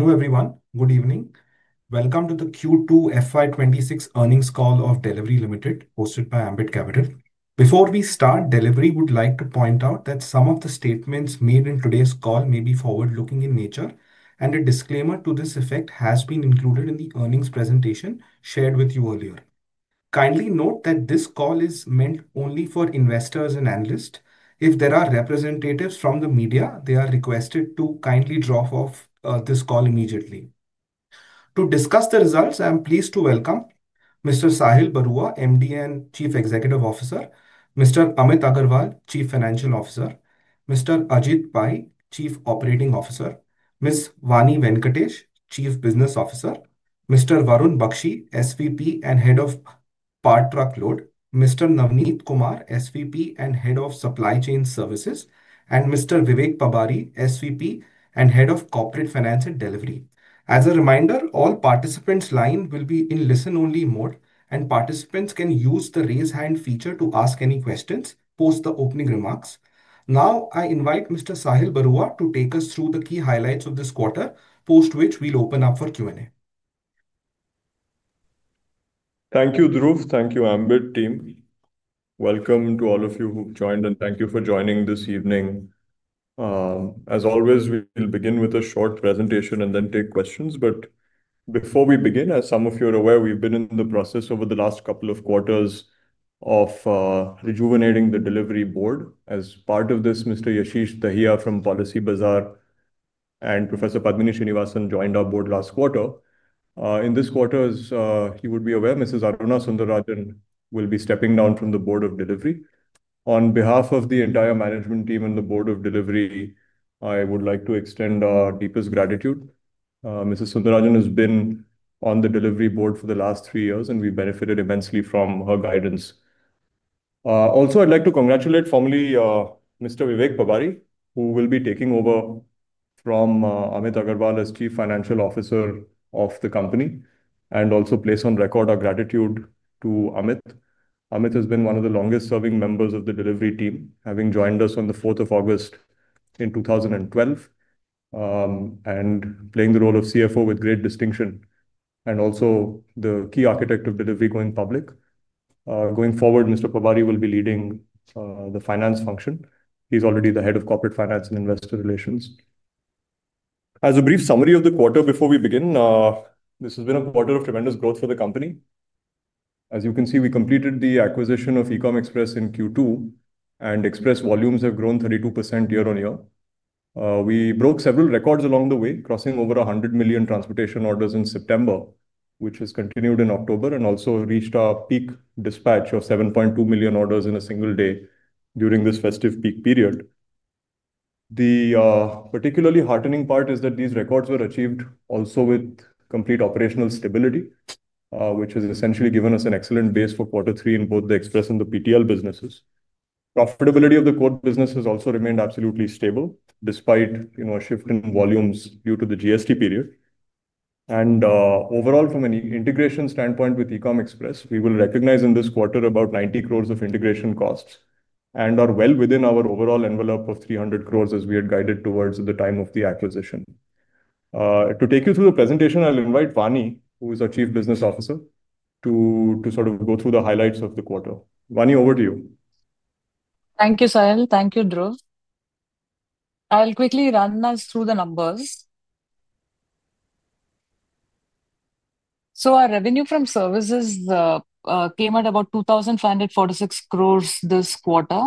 Hello everyone. Good evening. Welcome to the Q2 FY 2026 Earnings Call of Delhivery Limited hosted by Ambit Capital. Before we start, Delhivery would like to point out that some of the statements made in today's call may be forward looking in nature and a disclaimer to this effect has been included in the earnings presentation shared with you earlier. Kindly note that this call is meant only for investors and analysts. If there are representatives from the media, they are requested to kindly drop off this call immediately to discuss the results. I am pleased to welcome Mr. Sahil Barua, MD and Chief Executive Officer, Mr. Amit Agarwal, Chief Financial Officer, Mr. Ajith Pai, Chief Operating Officer, Ms. Vani Venkatesh, Chief Business Officer, Mr. Varun Bakshi, SVP and Head of Part Truck Load, Mr. Navneet Kumar, SVP and Head of Supply Chain Services, and Mr. Vivek Pabari, SVP and Head of Corporate Finance at Delhivery. As a reminder, all participants' lines will be in listen-only mode and participants can use the raise hand feature to ask any questions post the opening remarks. Now I invite Mr. Sahil Barua to take us through the key highlights of this quarter, post which we'll open up for Q and A. Thank you, Dhruv. Thank you, Ambit Team. Welcome to all of you who've joined, and thank you for joining this evening. As always, we will begin with a short presentation and then take questions. Before we begin, as some of you are aware, we've been in the process over the last couple of quarters of rejuvenating the Delhivery board. As part of this, Mr. Yashish Dahiya from Policybazaar and Professor Padmini Srinivasan joined our board last quarter. In this quarter, as you would be aware, Mrs. Aruna Sundararajan will be stepping down from the board of Delhivery. On behalf of the entire management team and the board of Delhivery, I would like to extend our deepest gratitude. Mrs. Sundararajan has been on the Delhivery board for the last three years, and we benefited immensely from her guidance. Also, I'd like to congratulate formally Mr. Vivek Pabari who will be taking over from Amit Agarwal as chief financial officer of the company and also place on record our gratitude to Amit. Amit has been one of the longest serving members of the Delhivery team having joined us on the 4th of August in 2012 and playing the role of CFO with great distinction and also the key architect of Delhivery going public. Going forward, Mr. Pabari will be leading the finance function. He's already the head of corporate finance and investor relationship. As a brief summary of the quarter before we begin, this has been a quarter of tremendous growth for the company. As you can see, we completed the acquisition of Ecom Express in Q2 and Express volumes have grown 32% year-on-year. We broke several records along the way, crossing over 100 million transportation orders in September which has continued in October and also reached our peak dispatch of 7.2 million orders in a single day during this festive peak period. The particularly heartening part is that these records were achieved also with complete operational stability which has essentially given us an excellent base for quarter three in both the Express and the PTL businesses. Profitability of the core business has also remained absolutely stable despite, you know, a shift in volumes due to the GST period. Overall, from an integration standpoint with Ecom Express, we will recognize in this quarter about 90 crore of integration costs and are well within our overall envelope of 300 crore as we had guided towards at the time of the acquisition. To take you through the presentation, I'll invite Vani, who is our Chief Business Officer, to sort of go through the highlights of the quarter. Vani, over to you. Thank you, Sahil. Thank you, Dhruv. I'll quickly run us through the numbers. Our revenue from services came at about 2,546 crore this quarter.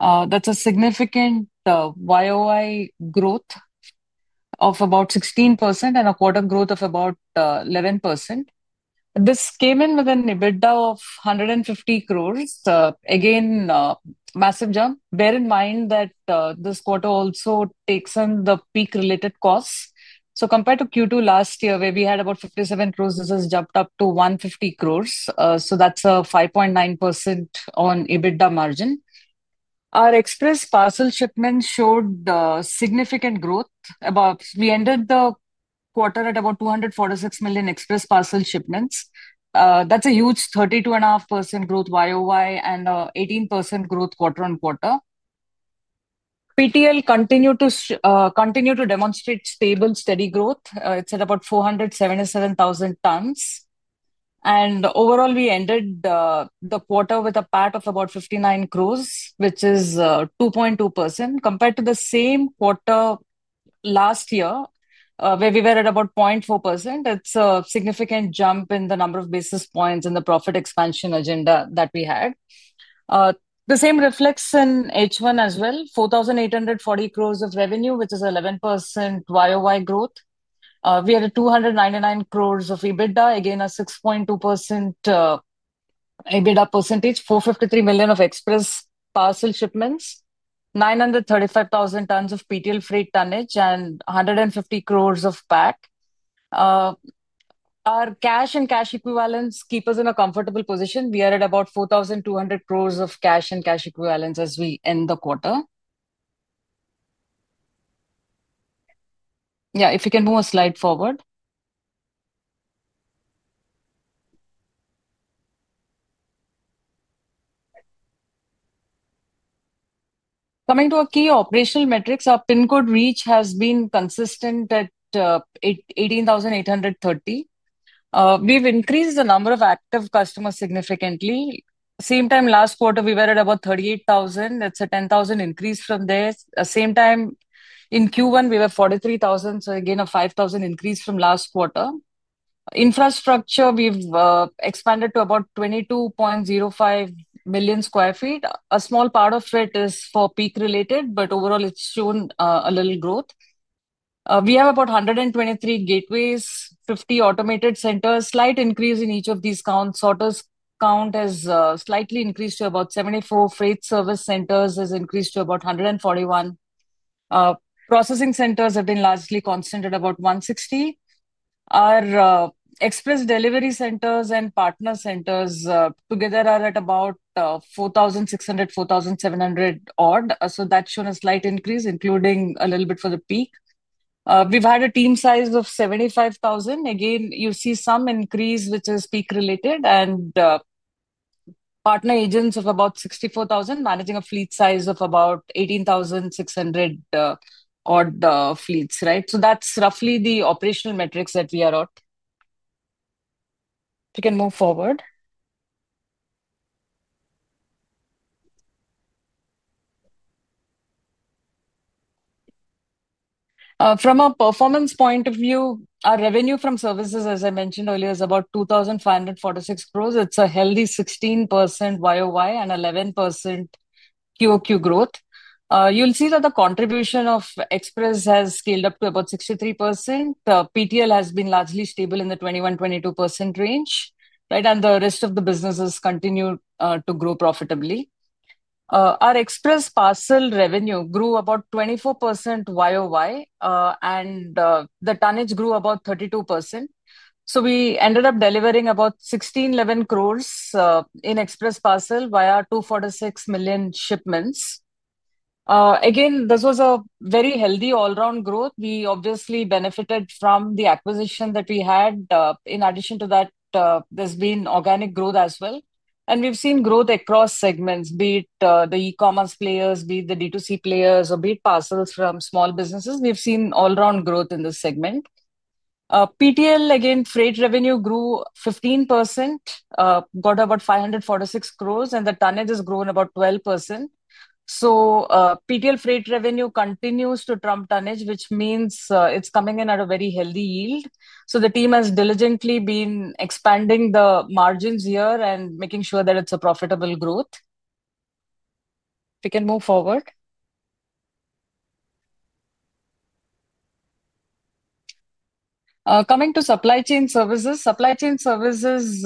That's a significant YoY growth of about 16% and a quarter growth of about 11%. This came in with an EBITDA of 150 crore. Again, massive jump. Bear in mind that this quarter also takes in the peak related costs. Compared to Q2 last year where we had about 57 crore, this has jumped up to 150 crore. That's a 5.9% EBITDA margin. Our express parcel shipments showed significant growth. We ended the quarter at about 246 million express parcel shipments. That's a huge 32.5% growth YoY and 18% growth quarter-on-quarter. PTL continued to demonstrate stable steady growth. It's at about 477,000 tons. Overall, we ended the quarter with a PAT of about 59 crore, which is 2.2% compared to the same quarter last year where we were at about 0.4%. It is a significant jump in the number of basis points in the profit expansion agenda that we had. The same reflects in H1 as well. 4,840 crore of revenue, which is 11% YoY growth. We had 299 crore of EBITDA. Again, a 6.2% EBITDA percentage. 453 million of express parcel shipments, 935,000 tons of PTL freight tonnage, and 150 crore of PAC. Our cash and cash equivalents keep us in a comfortable position. We are at about 4,200 crore of cash and cash equivalents as we end the quarter. If you can move a slide forward. Coming to key operational metrics, our pin code reach has been consistent at 18,830. We have increased the number of active customers significantly. Same time last quarter we were at about 38,000. That's a 10,000 increase from there. Same time in Q1 we were 43,000. So again a 5,000 increase from last quarter. Infrastructure we've expanded to about 22.05 million sq ft. A small part of it is for peak related but overall it's shown a little growth. We have about 123 gateways, 50 automated centers. Slight increase in each of these count sorters count has slightly increased to about 74. Freight service centers has increased to about 141. Processing centers have been largely constant at about 160. Our express delivery centers and partner centers together are at about 4,600, 4,700 odd. That's shown a slight increase including a little bit for the peak. We've had a team size of 75,000. Again you see some increase which is peak related and partner agents of about 64,000 managing a fleet size of about 18,600 odd fleets. Right. So that's roughly the operational metrics that we are at. We can move forward from a performance point of view. Our revenue from services as I mentioned earlier is about 2,546 crore. It's a healthy 16% YoY, 11% QoQ growth. You'll see that the contribution of express has scaled up to about 63%. PTL has been largely stable in the 21%-22% range. Right. The rest of the businesses continue to grow profitably. Our express parcel revenue grew about 24% YoY and the tonnage grew about 32%. We ended up delivering about 1,611 crore in express parcel via 246 million ship. This was a very healthy all-round growth. We obviously benefited from the acquisition that we had. In addition to that, there has been organic growth as well. We have seen growth across segments, be it the e-commerce players, the D2C players, or parcels from small businesses. We have seen all-round growth in this segment. PTL again, freight revenue grew 15%, got about 546 crore, and the tonnage has grown about 12%. PTL freight revenue continues to trump tonnage, which means it is coming in at a very healthy yield. The team has diligently been expanding the margins here and making sure that it's a profitable growth. We can move forward. Coming to supply chain services, supply chain services,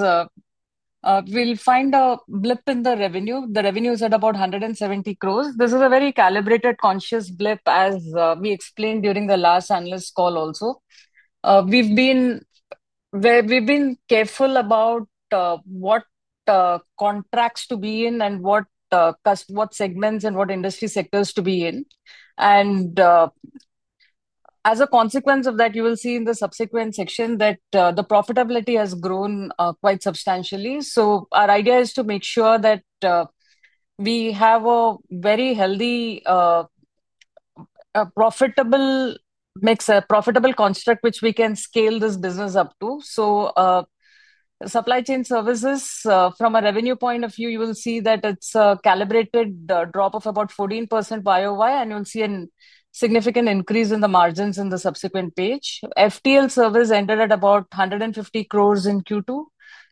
we'll find a blip in the revenue. The revenue is at about 170 crore. This is a very calibrated conscious blip as we explained during the last analyst call. Also, we've been careful about what contracts to be in and what segments and what industry sectors to be in and as a consequence of that you will see in the subsequent section that the profitability has grown quite substantially. Our idea is to make sure that we have a very healthy profitable mix, a profitable construct which we can scale this business up to. Supply chain services from a revenue point of view you will see that it's a calibrated drop of about 14% YoY and you'll see a significant increase in the margins in the subsequent page. FTL service ended at about 150 crore in Q2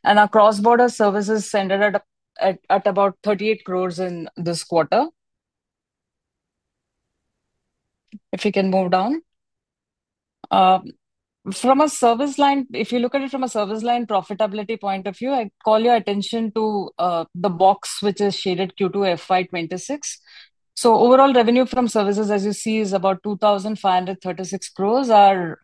and our cross-border services ended up at about 38 crore in this quarter. If we can move down from a service line, if you look at it from a service line profitability point of view, I call your attention to the box which is shaded Q2 FY 2026. Overall revenue from services as you see is about 2,536 crore. Our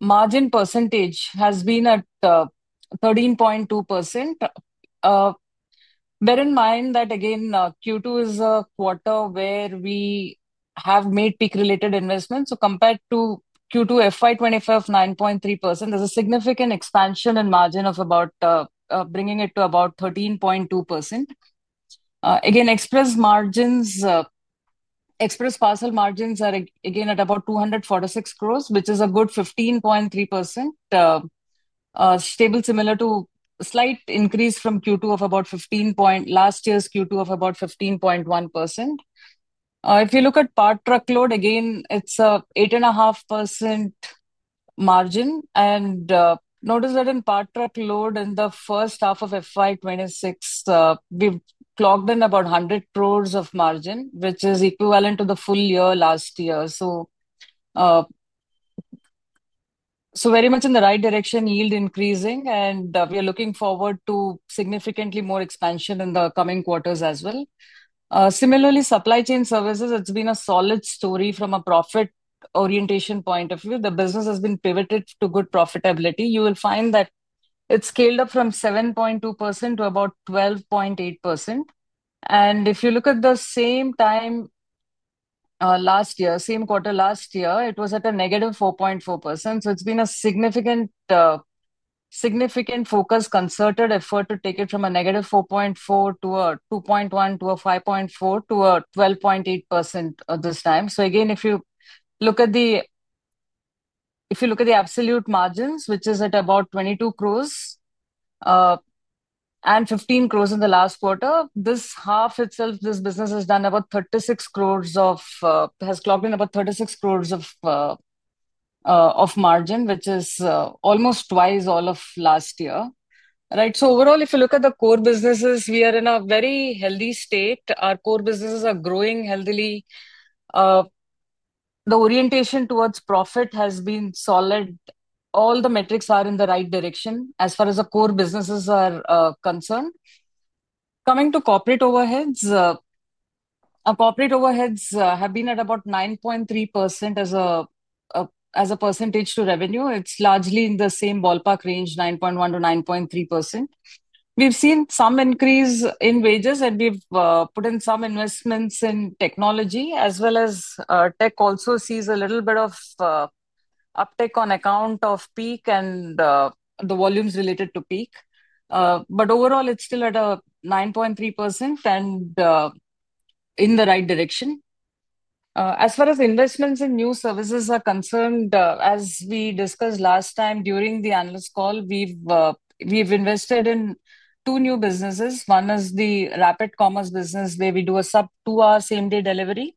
margin percentage has been at 13.2%. Bear in mind that again Q2 is a quarter where we have made peak related investments. Compared to Q2 FY 2025, 9.3%, there is a significant expansion in margin, bringing it to about 13.2%. express parcel margins are again at about 246 crore, which is a good 15.3%, stable, similar to a slight increase from Q2 of about 15%. Last year's Q2 was about 15.1%. If you look at part truckload, again, it is an 8.5% margin. Notice that in part truckload in the first half of FY 2026, we have clocked in about 100 crore of margin, which is equivalent to the full year last year. So very much in the right direction, yield increasing, and we are looking forward to significantly more expansion in the coming quarters as well. Similarly, supply chain services, it's been a solid story from a profit orientation point of view. The business has been pivoted to good profitability. You will find that it scaled up from 7.2% to about 12.8%, and if you look at the same time last year, same quarter last year, it was at a -4.4%. It's been a significant, significant focus, concerted effort to take it from a -4.4% to a 2.1% to a 5.4% to a 12.8% this time. If you look at the absolute margins, which is at about 22 crore and 15 crore in the last quarter, this half itself, this business has done about 36 crore of, has clocked in about 36 crore of margin, which is almost twice all of last year. Overall, if you look at the core businesses, we are in a very healthy state. Our core businesses are growing healthily. The orientation towards profit has been solid. All the metrics are in the right direction as far as the core businesses are concerned. Coming to corporate overheads, our corporate overheads have been at about 9.3% as a percentage to revenue. It is largely in the same ballpark range, 9.1%-9.3%. We've seen some increase in wages and we've put in some investments in technology as well as tech also sees a little bit of uptick on account of peak and the volumes related to peak, but overall it's still at a 9.3% and in the right direction as far as investments in new services are concerned. As we discussed last time during the analyst call, we've invested in two new businesses. One is the Rapid Commerce business where we do a sub-two-hour same-day delivery.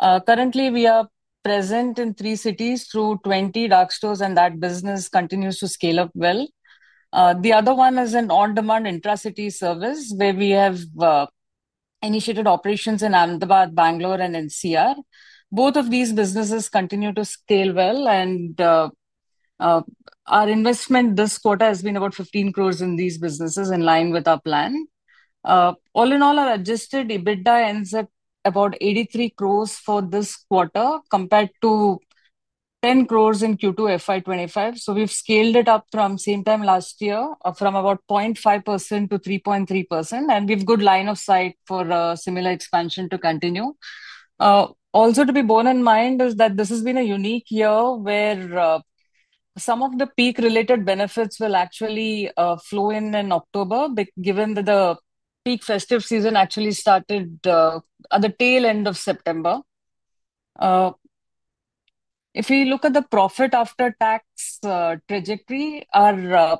Currently we are present in three cities through 20 dark stores and that business continues to scale up well. The other one is an on demand intra-city service where we have initiated operations in Ahmedabad, Bangalore and NCR. Both of these businesses continue to scale well and our investment this quarter has been about 15 crore in these businesses in line with our plan. All in all our adjusted EBITDA ends at about 83 crore for this quarter compared to 10 crore in Q2 FY 2025. We've scaled it up from same time last year from about 0.5% to 3.3% and we've good line of sight for similar expansion to continue. Also to be borne in mind is that this has been a unique year where some of the peak related benefits will actually flow in in October given that the peak festive season actually started at the tail end of September. If we look at the profit after tax trajectory, our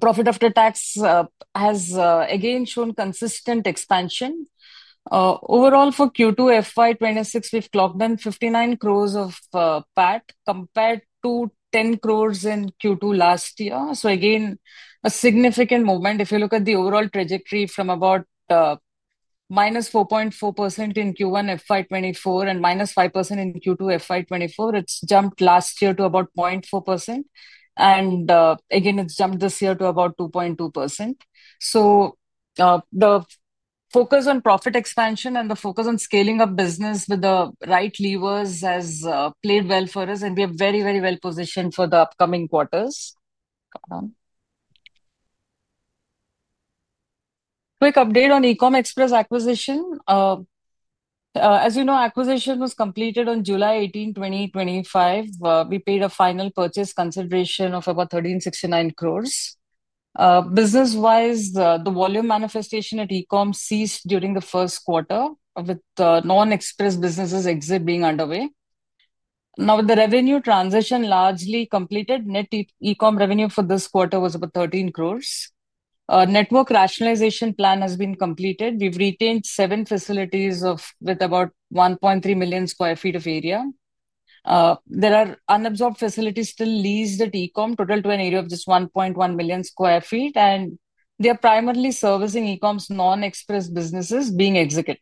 profit after tax has again shown consistent expansion. Overall for Q2 FY 2026 we've clocked in 59 crore of PAT compared to 10 crore in Q2 last year. Again a significant movement. If you look at the overall trajectory from about -4.4% in Q1 FY 2024 and-5% in Q2 FY 2024, it jumped last year to about 0.4% and again it has jumped this year to about 2.2%. The focus on profit expansion and the focus on scaling up business with the right levers has played well for us and we are very, very well positioned for the upcoming quarters. Quick update on Ecom Express acquisition. As you know, acquisition was completed on July 18, 2025. We paid a final purchase consideration of about 1,369 crore. Business-wise, the volume manifestation at Ecom ceased during the first quarter with non-express businesses exit being underway. Now the revenue transition is largely completed. Net ecommerce Ecom revenue for this quarter was about 13 crore. Network rationalization plan has been completed. We've retained seven facilities with about 1.3 million sq ft of area. There are unabsorbed facilities still leased at Ecom total to an area of just 1.1 million sq ft and they are primarily servicing Ecom's non-express businesses being exited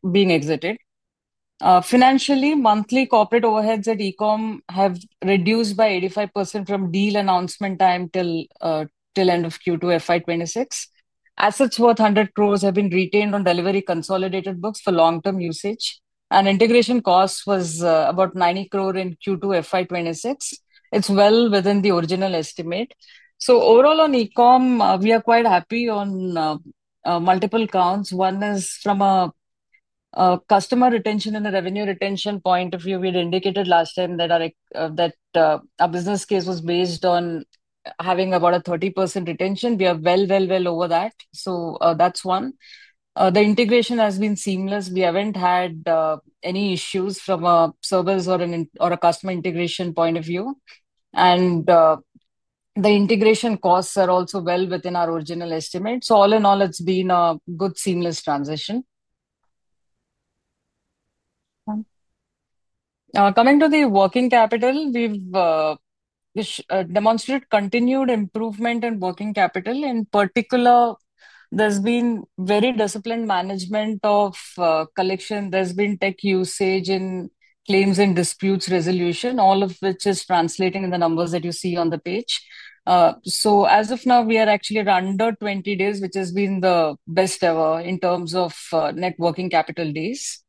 financially. Monthly corporate overheads at Ecom have reduced by 85% from deal announcement time till end of Q2 2026. Assets worth 100 crore have been retained on Delhivery consolidated books for long-term usage and integration cost was about 90 crore in Q2 2026. It's well within the original estimate. Overall on Ecom we are quite happy on multiple counts. One is from a customer retention and the revenue retention point of view. We had indicated last time that our business case was based on having about a 30% retention. We are well over that. That's one. The integration has been seamless. We haven't had any issues from a service or a customer integration point of view and the integration costs are also well within our original estimate. All in all it's been a good seamless transition. Now coming to the working capital, we've demonstrated continued improvement in working capital. In particular, there's been very disciplined management of collection, there's been tech usage in claims and disputes resolution, all of which is translating in the numbers that you see on the page. As of now we are actually under 20 days, which has been the best ever in terms of net working capital days.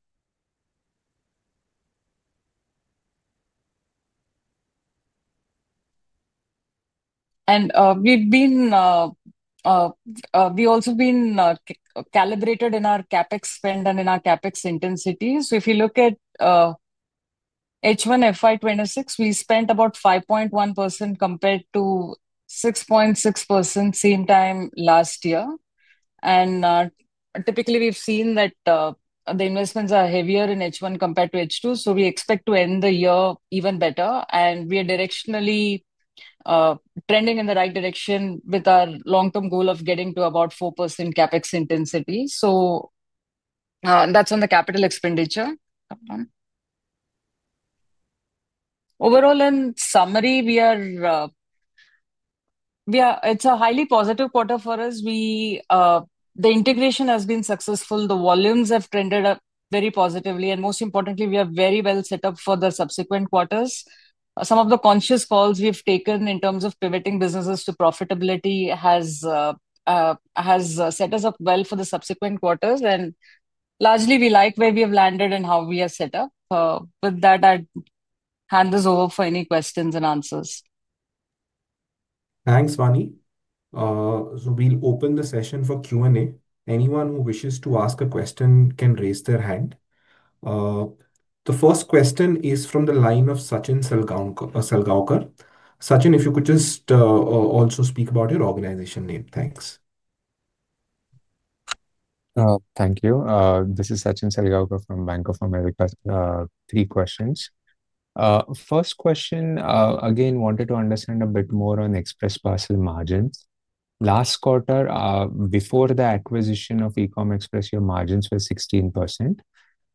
We've been. We have also been calibrated in our CapEx spend and in our CapEx intensity. If you look at H1 FY 2026, we spent about 5.1% compared to 6.6% same time last year. Typically, we have seen that the investments are heavier in H1 compared to H2. We expect to end the year even better. We are directionally trending in the right direction with our long-term goal of getting to about 4% CapEx intensity. That is on the capital expenditure overall. In summary, yeah, it is a highly positive quarter for us. The integration has been successful, the volumes have trended up very positively, and most importantly, we are very well set up for the subsequent quarters. Some of the conscious calls we have taken in terms of pivoting businesses to profitability have set us up well for the subsequent quarters. Largely we like where we have landed and how we are set up with that. I hand this over for any questions and answers. Thanks, Vani. We'll open the session for Q&A. Anyone who wishes to ask a question can raise their hand. The first question is from the line of Sachin Salgaonkar. Sachin, if you could just also speak about your organization name. Thanks. Thank you. This is Sachin Salgaonkar from Bank of America. Three questions. First question, again wanted to understand a bit more on express parcel margins. Last quarter before the acquisition of Ecom Express, your margins were 16%.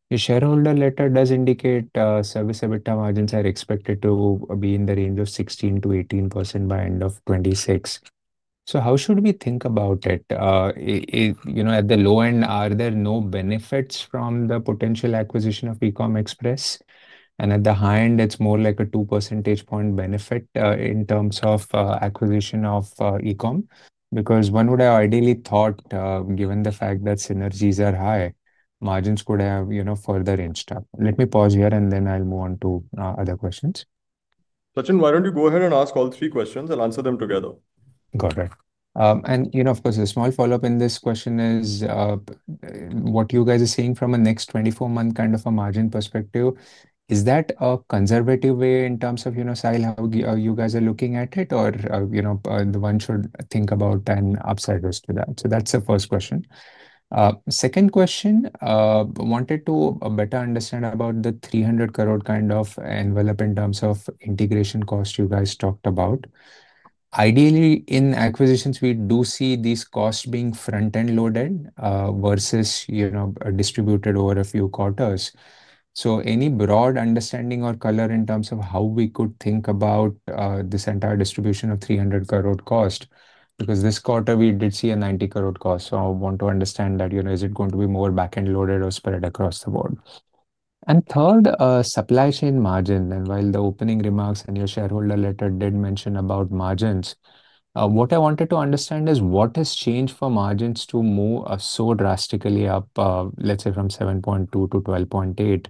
Your shareholder letter does indicate service EBITDA margins are expected to be in the range of 16%-18% by end of 2026. How should we think about it? At the low end, are there no benefits from the potential acquisition of Ecom Express? At the high end, it's more like a 2 percentage point benefit in terms of acquisition of Ecom. Because one would have ideally thought, given the fact that synergies are high, margins could have, you know, further inched up. Let me pause here and then I'll move on to other questions. Sachin, why don't you go ahead and ask all three questions, I'll answer them together. Got it. You know, of course a small follow up in this question is what you guys are seeing from a next 24-month kind of a margin perspective. Is that a conservative way in terms of, you know, how you guys are looking at it or, you know, one should think about an upside risk to that. That is the first question. Second question, wanted to better understand about the 300 crore kind of envelope in terms of integration cost you guys talked about. Ideally in acquisitions we do see these costs being front end loaded versus, you know, distributed over a few quarters. Any broad understanding or color in terms of how we could think about this entire distribution of 300 crore cost? Because this quarter we did see a 90 crore cost. I want to understand that, you know, is it going to be more backend loaded or spread across the board and third supply chain margin. While the opening remarks and your shareholder letter did mention about margins, what I wanted to understand is what has changed for margins to move so drastically up, let's say from 7.2% to 12.8%.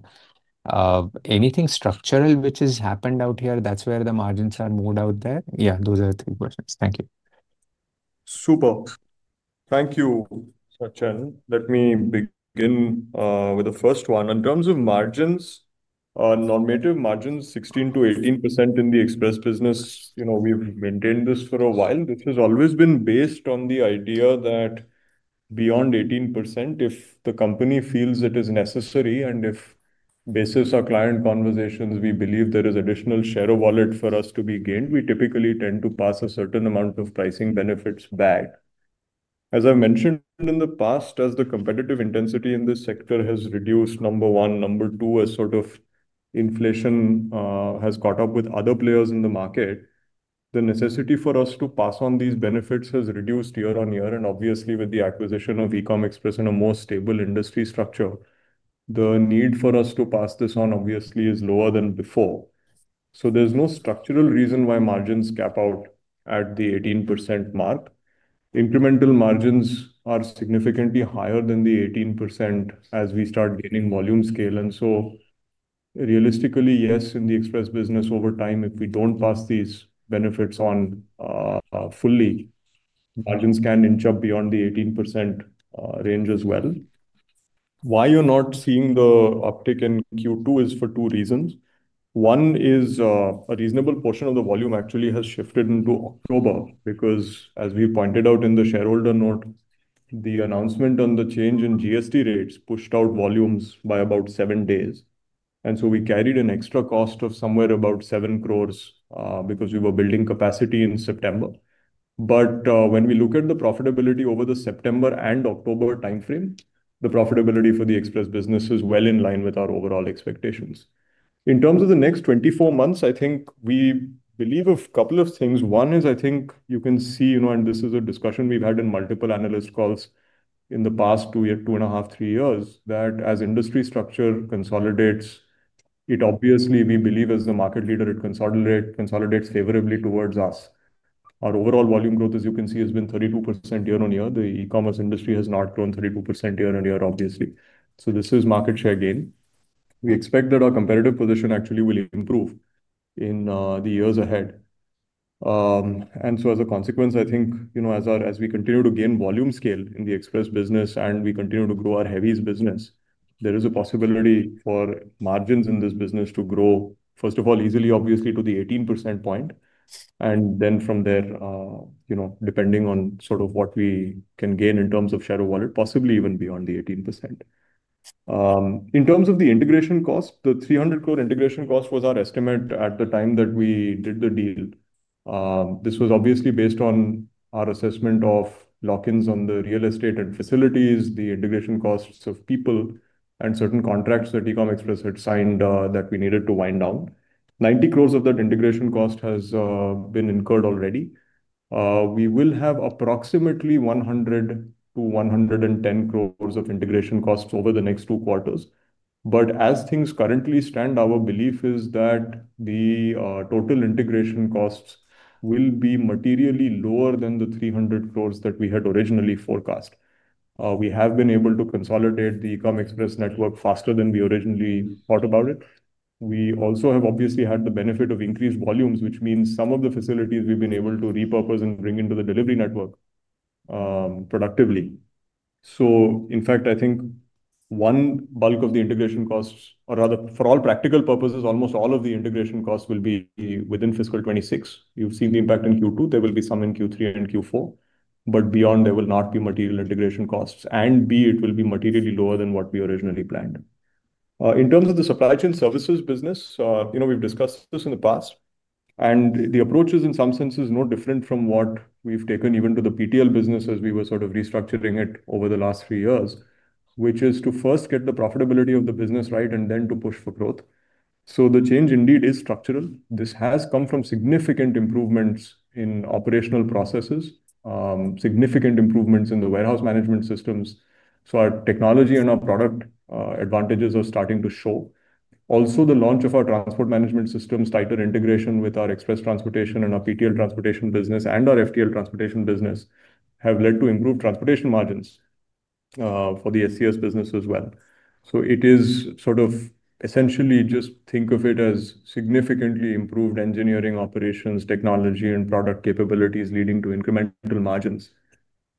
Anything structural which has happened out here, that's where the margins are moved out there. Yeah, those are three questions. Thank you. Super. Thank you, Sachin. Let me begin with the first one in terms of margins, normative margins 16%-18% in the express business, you know, we've maintained this for a while. This has always been based on the idea that beyond 18%, if the company feels it is necessary and if basis our client conversations, we believe there is additional share of wallet for us to be gained. We typically tend to pass a certain amount of pricing benefits back as I mentioned in the past, as the competitive intensity in this sector has reduced, number one. Number two, as sort of inflation has caught up with other players in the market, the necessity for us to pass on these benefits has reduced year-on-year. Obviously with the acquisition of Ecom Express and a more stable industry structure, the need for us to pass this on obviously is lower than before. There is no structural reason why margins gap out at the 18% mark. Incremental margins are significantly higher than the 18% as we start gaining volume scale. Realistically, yes, in the express business over time, if we do not pass these benefits on fully, margins can inch up beyond the 18% range as well. You are not seeing the uptick in Q2 for two reasons. One is a reasonable portion of the volume actually has shifted into October because as we pointed out in the shareholder note, the announcement on the change in GST rates pushed out volumes by about seven days. We carried an extra cost of somewhere about 7 crore because we were building capacity in September. When we look at the profitability over the September and October time frame, the profitability for the express business is well in line with our overall expectations in terms of the next 24 months. I think we believe a couple of things. One is, I think you can see, you know, and this is a discussion we've had in multiple analyst calls in the past two years, two and a half, three years that as industry structure consolidates, it obviously, we believe as the market leader, it consolidates favorably towards us. Our overall volume growth, as you can see, has been 32% year-on-year. The e-commerce industry has not grown 32% year-on-year, obviously. This is market share gain. We expect that our competitive position actually will improve in the years ahead. As a consequence, I think, you know, as our, as we continue to gain volume scale in the express business and we continue to grow our heavies business, there is a possibility for margins in this business to grow first of all easily obviously to the 18% point and then from there, you know, depending on sort of what we can gain in terms of shadow wallet, possibly even beyond the 18% in terms of the integration cost. The 300 crore integration cost was our estimate at the time that we did the deal. This was obviously based on our assessment of lock ins on the real estate and facilities, the integration costs of people and certain contracts that Ecom Express had signed that we needed to wind down. 90 crores of that integration cost has been incurred already. We will have approximately 100 crores-110 crores of integration costs over the next two quarters. As things currently stand, our belief is that the total integration costs will be materially lower than the 300 crores that we had originally forecast. We have been able to consolidate the Ecom Express network faster than we originally thought about it. We also have obviously had the benefit of increased volumes, which means some of the facilities we have been able to repurpose and bring into the Delhivery network productively. In fact, I think one bulk of the integration costs, or rather for all practical purposes, almost all of the integration costs will be within fiscal 2026. You have seen the impact in Q2. There will be some in Q3 and Q4, but beyond there will not be material integration costs and B it will be materially lower than what we originally planned in terms of the supply chain services business. You know, we've discussed this in the past and the approach is in some senses no different from what we've taken even to the PTL business as we were sort of restructuring it over the last three years, which is to first get the profitability of the business right and then to push for growth. The change indeed is structural. This has come from significant improvements in operational processes, significant improvements in the warehouse management systems. Our technology and our product advantages are starting to show. Also the launch of our transport management systems, tighter integration with our express parcel transportation and our PTL transportation business and our FTL transportation business have led to improved transportation margins for the SCS business as well. It is sort of essentially just think of it as significantly improved engineering, operations, technology, and product capabilities leading to incremental margins.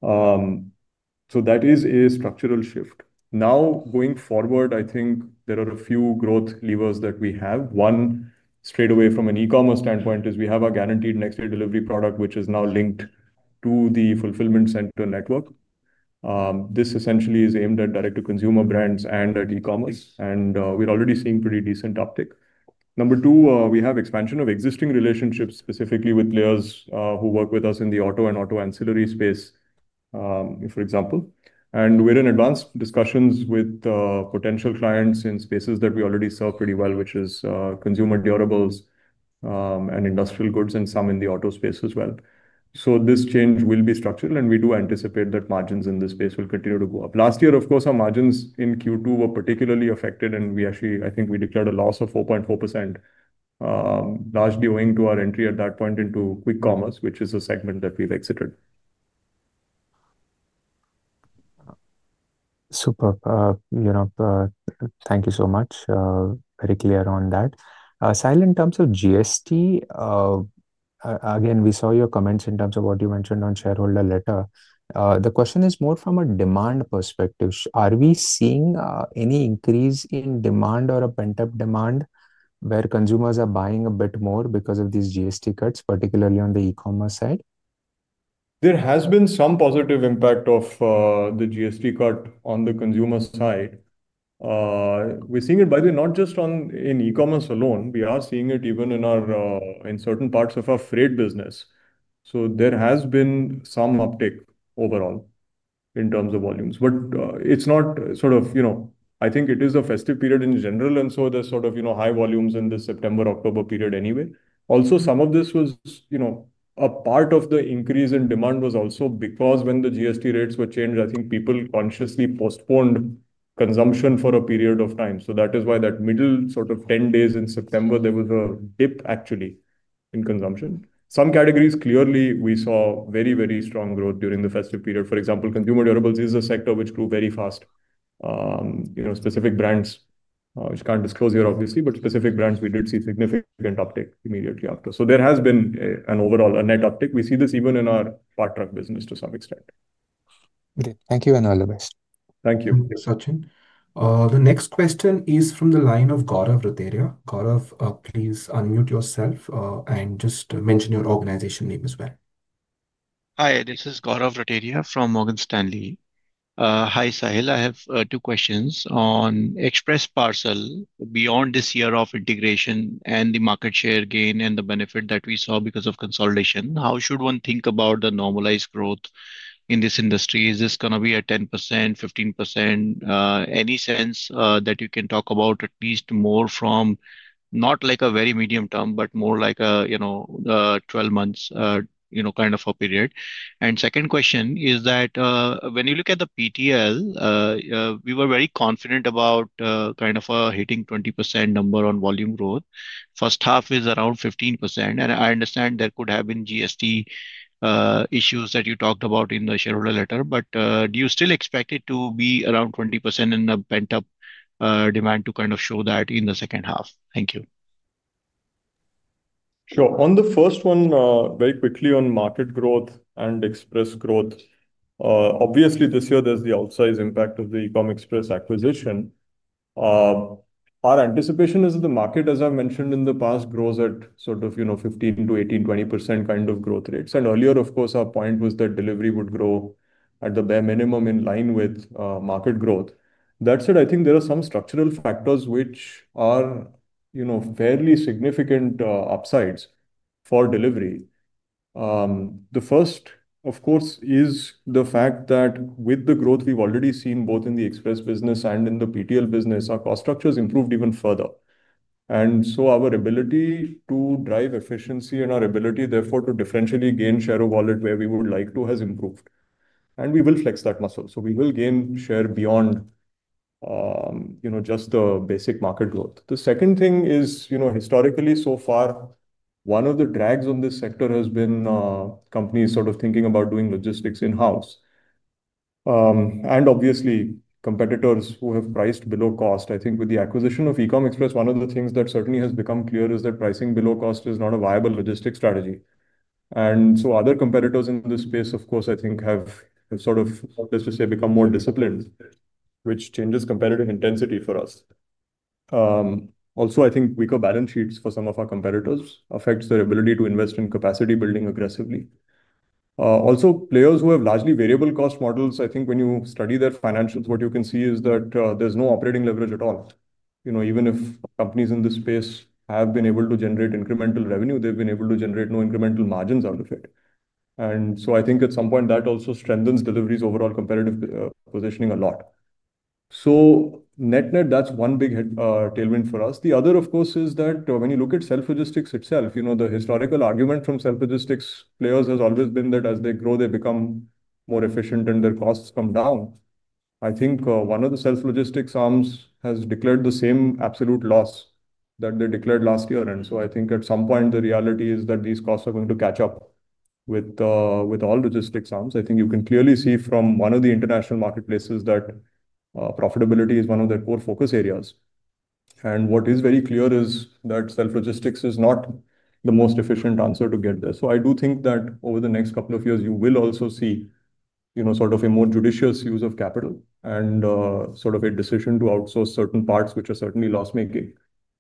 That is a structural shift. Now going forward, I think there are a few growth levers that we have. One straight away from an e-commerce standpoint is we have our guaranteed next-day delivery product which is now linked to the fulfillment center network. This essentially is aimed at direct to consumer brands and at e-commerce. We are already seeing pretty decent uptick. Number two, we have expansion of existing relationships specifically with players who work with us in the auto and auto ancillary space for example. We're in advanced discussions with potential clients in spaces that we already serve pretty well, which is consumer durables and industrial goods and some in the auto space as well. This change will be structural and we do anticipate that margins in this space will continue to go up. Last year of course our margins in Q2 were particularly affected and we actually, I think we declared a loss of 4.4% largely owing to our entry at that point into quick commerce which is a segment that we've exited. Superb. You know, thank you so much. Very clear on that, silent terms of GST. Again, we saw your comments in terms of what you mentioned on shareholder letter. The question is more from a demand perspective, are we seeing any increase in demand or a pent-up demand where consumers are buying a bit more because of these GST cuts, particularly on the e-commerce side. There has been some positive impact of the GST cut on the consumer side. We're seeing it by the way, not just in e-commerce alone. We are seeing it even in our, in certain parts of our freight business. There has been some uptick overall in terms of volumes, but it's not sort of, you know, I think it is a festive period in general and so there's sort of, you know, high volumes in the September, October period anyway. Also, some of this was, you know, a part of the increase in demand was also because when the GST rates were changed, I think people consciously postponed consumption for a period of time. That is why that middle sort of 10 days in September there was a dip actually in consumption in some categories. Clearly, we saw very, very strong growth during the festive period. For example, consumer durables is a sector which grew very fast. You know, specific brands, which can't disclose here obviously, but specific brands we did see significant uptick immediately after. There has been overall a net uptick. We see this even in our part truck business to some extent. Great, thank you. All the best. Thank you. The next question is from the line of Gaurav Rateria. Please unmute yourself and mention your organization name as well. Hi, this is Gaurav Raria from Morgan Stanley. Hi Sahil. I have two questions on express parcel. Beyond this year of integration and the market share gain and the benefit that we saw because of consolidation, how should one think about the normalized growth in this industry? Is this going to be a 10%, 15% any sense that you can talk about at least more from not like a very medium term, but more like a, you know, 12 months, you know, kind of a period. Second question is that when you look at the PTL, we were very confident about kind of a hitting 20% number on volume growth. First half is around 15%. I understand there could have been GST issues that you talked about in the shareholder letter, but do you still expect it to be around 20% in a pent up demand to kind of show that in the second half? Thank you. Sure. On the first one very quickly on market growth and express growth, obviously this year there's the outsized impact of the Ecom Express acquisition. Our anticipation is the market, as I mentioned in the past, grows at sort of, you know, 15%-18%, 20% kind of growth rates. Earlier of course our point was that Delhivery would grow at the bare minimum in line with market growth. That said, I think there are some structural factors which are, you know, fairly significant upsides for Delhivery. The first of course is the fact that with the growth we've already seen both in the express business and in the PTL business, our cost structures improved even further. Our ability to drive efficiency in, our ability therefore to differentially gain share of wallet where we would like to has improved and we will flex that muscle. We will gain share beyond, you know, just the basic market growth. The second thing is, you know, historically so far one of the drags on this sector has been companies sort of thinking about doing logistics in house and obviously competitors who have priced below cost. I think with the acquisition of Ecom Express, one of the things that certainly has become clear is that pricing below cost is not a viable logistics strategy. Other competitors in this space of course I think have sort of, let's just say, become more disciplined which changes competitive intensity for us. Also I think weaker balance sheets for some of our competitors affects their ability to invest in capacity building aggressively. Also players who have largely variable cost models, I think when you study their financials what you can see is that there's no operating leverage at all. You know, even if companies in this space have been able to generate incremental revenue, they've been able to generate no incremental margins out of it. I think at some point that also strengthens Delhivery's overall competitive positioning a lot. Net, net, that's one big tailwind for us. The other of course is that when you look at self logistics itself, you know, the historical argument from self logistics players has always been that as they grow they become more efficient and their costs come down. I think one of the self logistics arms has declared the same absolute loss that they declared last year. I think at some point the reality is that these costs are going to catch up with all logistics arms. I think you can clearly see from one of the international marketplaces that profitability is one of the core focus areas. What is very clear is that self logistics is not the most efficient answer to get there. I do think that over the next couple of years you will also see, you know, sort of a more judicious use of capital and sort of a decision to outsource certain parts which are certainly loss making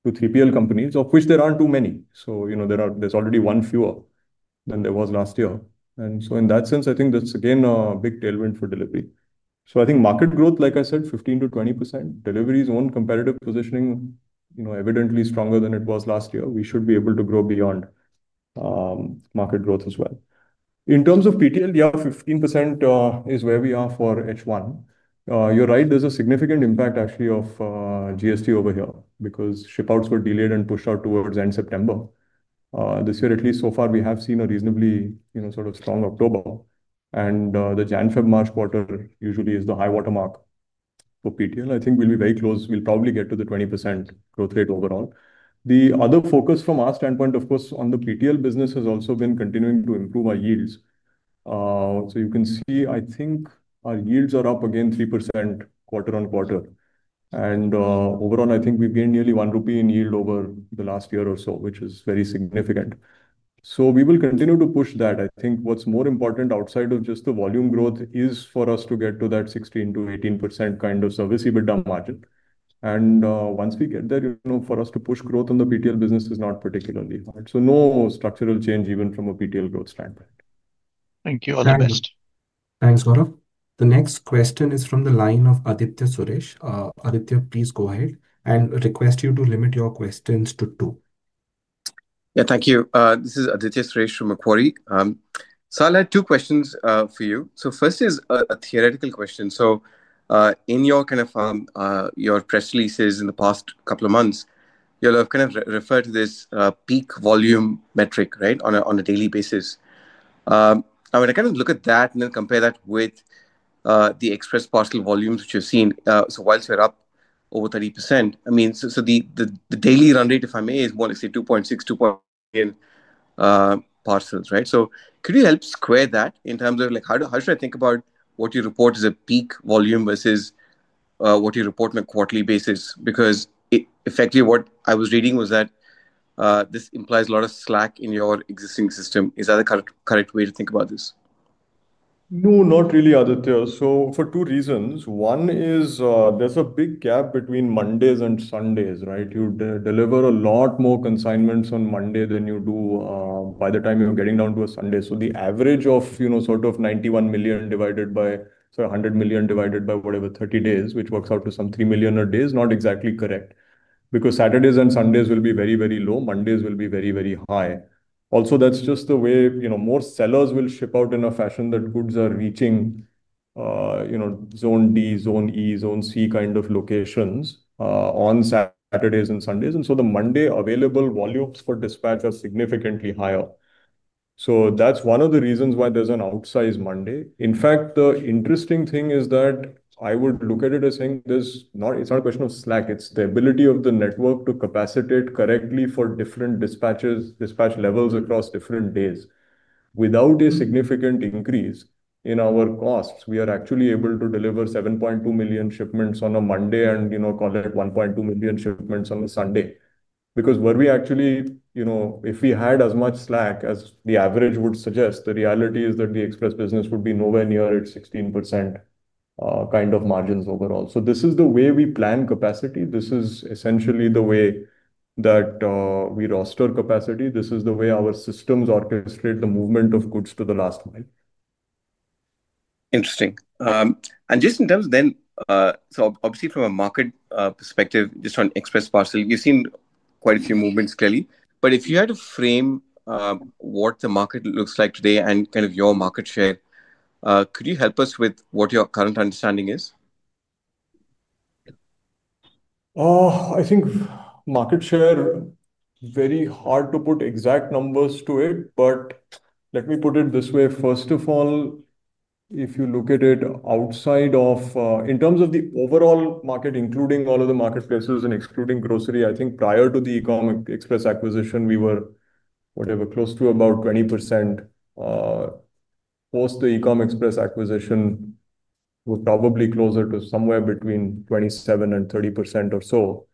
to 3PL companies of which there aren't too many. You know, there is already one fewer than there was last year. In that sense, I think that's again a big tailwind for Delhivery. I think market growth, like I said, 15%-20%, Delhivery's own competitive positioning, you know, evidently stronger than it was last year. We should be able to grow beyond market growth as well in terms of PTL. Yeah, 15% is where we are for H1. You're right. There's a significant impact actually of GST over here because ship outs were delayed and pushed out towards end September this year. At least so far we have seen a reasonably, you know, sort of strong October, and the January, February, March quarter usually is the high watermark for PTL. I think we'll be very close. We'll probably get to the 20% growth rate overall. The other focus from our standpoint, of course, on the PTL business has also been continuing to improve our yields. You can see I think our yields are up again, 3% quarter-on-quarter. Overall, I think we have gained nearly one rupee in yield over the last year or so, which is very significant. We will continue to push that. I think what is more important outside of just the volume growth is for us to get to that 16%-18% kind of service, EBITDA margin. Once we get there, you know, for us to push growth on the PTL business is not particularly hard. No structural change even from a PTL growth standpoint. Thank you. All the best. Thanks Gaurav. The next question is from the line of Aditya Suresh. Aditya, please go ahead and request you to limit your questions to two. Yeah, thank you. This is Aditya Suresh from Macquarie. So I'll add two questions for you. First is a theoretical question. In your press releases in the past couple of months you have kind of referred to this peak volume metric on a daily basis. I mean I kind of look at that and then compare that with the express parcel volumes which you've seen. Whilst we're up over 30%, I mean, the daily run rate, if I may, is more, let's say 2.6, 2 point parcels. Right. Could you help square that in terms of like how should I think about what you report as a peak volume versus what you report on a quarterly basis? Because effectively what I was reading was that this implies a lot of slack in your existing system. Is that the correct way to think about this? No, not really, Aditya. For two reasons. One is there's a big gap between Mondays and Sundays, right? You deliver a lot more consignments on Monday than you do by the time you get getting down to a Sunday. The average of, you know, sort of 91 million divided by, so 100 million divided by whatever, 30 days which works out to some 3 million a day is not exactly correct because Saturdays and Sundays will be very, very low. Mondays will be very, very high also. That's just the way, you know, more sellers will ship out in a fashion that goods are reaching, you know, zone D, zone E, zone C kind of locations on Saturdays and Sundays. The Monday available volumes for dispatch are significantly higher. That's one of the reasons why there's an outsized Monday. In fact, the interesting thing is that I would look at it as saying this. It's not a question of slack. It's the ability of the network to capacitate correctly for different dispatches, dispatch levels across different days without a significant increase in our costs. We are actually able to deliver 7.2 million shipments on a Monday and, you know, call it 1.2 million shipments on the Sunday. Because were we actually, you know, if we had as much slack as the average would suggest, the reality is that the express business would be nowhere near its 16% kind of margins overall. This is the way we plan capacity. This is essentially the way that we roster capacity. This is the way our systems orchestrate the movement of goods to the last mile. Interesting. Just in terms then, obviously from a market perspective, just on express parcel, you've seen quite a few movements clearly. If you had to frame what the market looks like today and kind of your market share, could you help us with what your current understanding is? I think market share, very hard to put exact numbers to it. Let me put it this way. First of all, if you look at it outside of in terms of the overall market, including all of the marketplaces and excluding grocery, I think prior to the Ecom Express acquisition we were, whatever, close to about 20%. Post the Ecom Express acquisition, we are probably closer to somewhere between 27%-30% or so.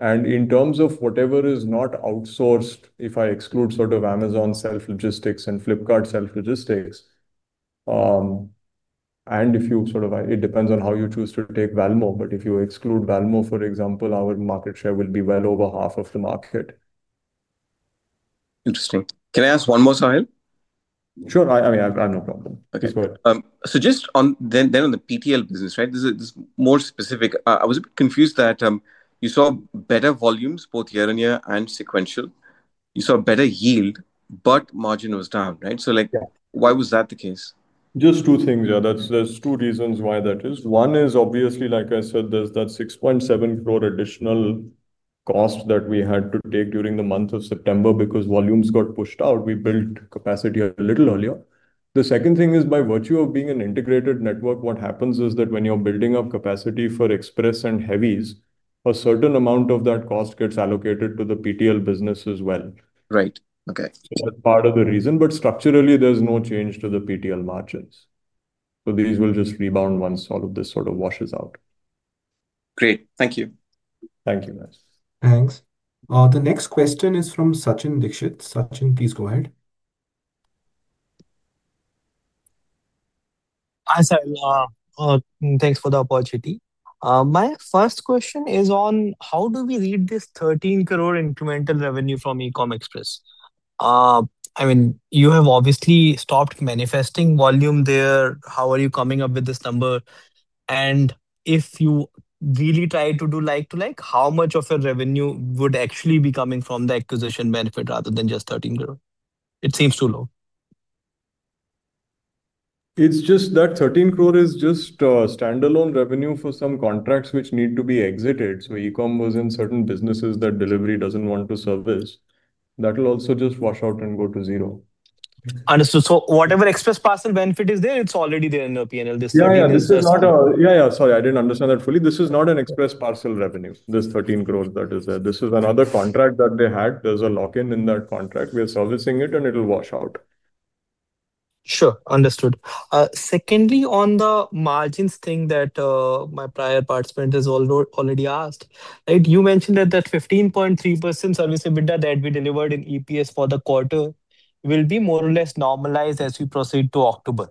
In terms of whatever is not outsourced, if I exclude sort of Amazon self logistics and Flipkart self logistics and if you sort of, it depends on how you choose to take Valmo, but if you exclude Valmo, for example, our market share will be well over half of the market. Interesting. Can I ask one more, Sahil? Sure. I mean I have no problem. Okay, so just on then on the PTL business. Right. This is more specific. I was a bit confused that you saw better volumes both year on year and sequential. You saw better yield but margin was down. Right. Yeah. Why was that the case? Just two things. Yeah, that's. There's two reasons why that is. One is obviously, like I said, there's that 6.7 crore additional cost that we had to take during the month of September because volumes got pushed out. We built capacity a little earlier. The second thing is by virtue of being an integrated network, what happens is that when you're building up capacity for Express and heaviest, a certain amount of that cost gets allocated to the PTL business as well. Right. Okay. Part of the reason. Structurally there's no change to the PTL margins. These will just rebound once all of this sort of washes out. Great, thank you. Thank you. Thanks. The next question is from Sachin Dixit. Sachin, please go ahead. Thanks for the opportunity. My first question is on how do we read this 13 crore incremental revenue from Ecom Express. I mean you have obviously stopped manifesting volume there. How are you coming up with this number? If you really try to do like to like, how much of your revenue would actually be coming from the acquisition benefit rather than just 13 crore? It seems too low. It's just that 13 crore is just standalone revenue for some contracts which need to be exited. E-commerce in certain businesses that Delhivery does not want to service, that will also just wash out and go to zero. Understood. So whatever express parcel benefit is there, it's already there in the P&L. Yeah, sorry, I didn't understand that fully. This is not an express parcel revenue. This 13 crore that is there. This is another contract that they had. There's a lock-in in that contract. We are servicing it and it'll wash out. Sure. Understood. Secondly, on the margins thing that my prior participant has already asked, you mentioned that that 15.3% service EBITDA that we delivered in EPS for the quarter will be more or less normalized as we proceed to October.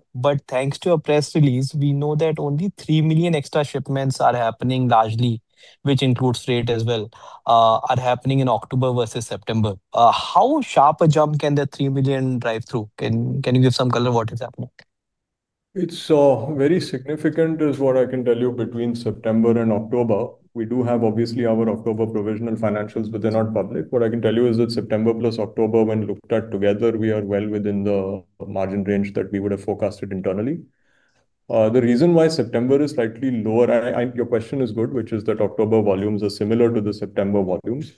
Thanks to a press release we know that only 3 million extra shipments are happening largely, which includes rate as well, are happening in October versus September. How sharp a jump can the 3 million drive through? Can you give some color what is happening? It's very significant is what I can tell you. Between September and October we do have obviously our October provisional financials, but they're not public. What I can tell you is that September plus October, when looked at together, we are well within the margin range that we would have forecasted internally. The reason why September is slightly lower, and your question is good, which is that October volumes are similar to the September volumes.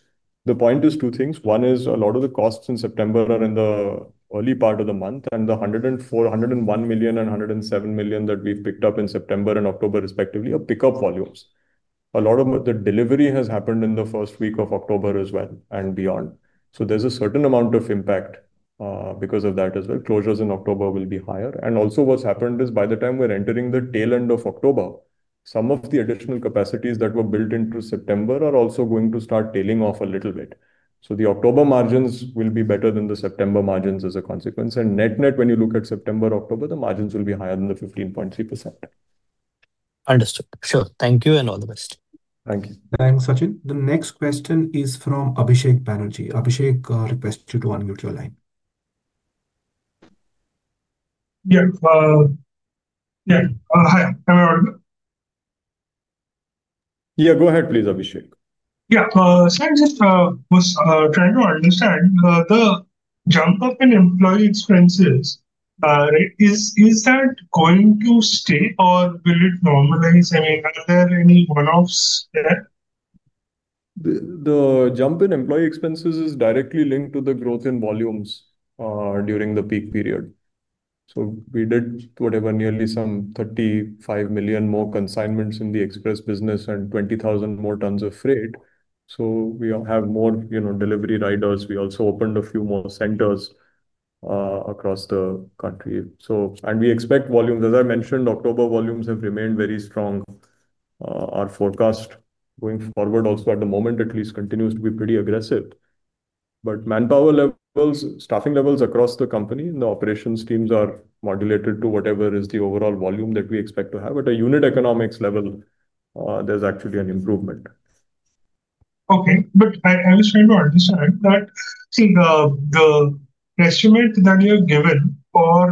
The point is two things. One is a lot of the costs in September are in the early part of the month. The 104 million, 101 million, and 107 million that we've picked up in September and October respectively are pickup volumes. A lot of the delivery has happened in the first week of October as well and beyond. There is a certain amount of impact because of that as well. Closures in October will be higher. Also, what's happened is by the time we're entering the tail end of October, some of the additional capacities that were built into September are also going to start tailing off a little bit. The October margins will be better than the September margins as a consequence. Net, net when you look at September, October, the margins will be higher than the 15.3%. Understood? Sure. Thank you. All the best. Thank you. Thanks, Sachin. The next question is from Abhishek Banerjee. Abhishek, request you to unmute your line. Yeah, yeah. Hi. Am I audible? Yeah, go ahead please. Abhishek. Yeah. Was trying to understand the jump up in employee expenses. Is that going to stay or will it normalize? I mean, are there any one offs? The jump in employee expenses is directly linked to the growth in volumes during the peak period. We did whatever. Nearly some 35 million more consignments in the express business and 20,000 more tons of freight. We have more, you know, delivery riders. We also opened a few more centers across the country. We expect volumes, as I mentioned, October volumes have remained very similar. Strong. Our forecast going forward also at the moment at least continues to be pretty aggressive. Manpower levels, staffing levels across the company and the operations teams are modulated to whatever is the overall volume that we expect to have at a unit economics level. There's actually an improvement. Okay, but I was trying to understand that. See, the estimate that you have given for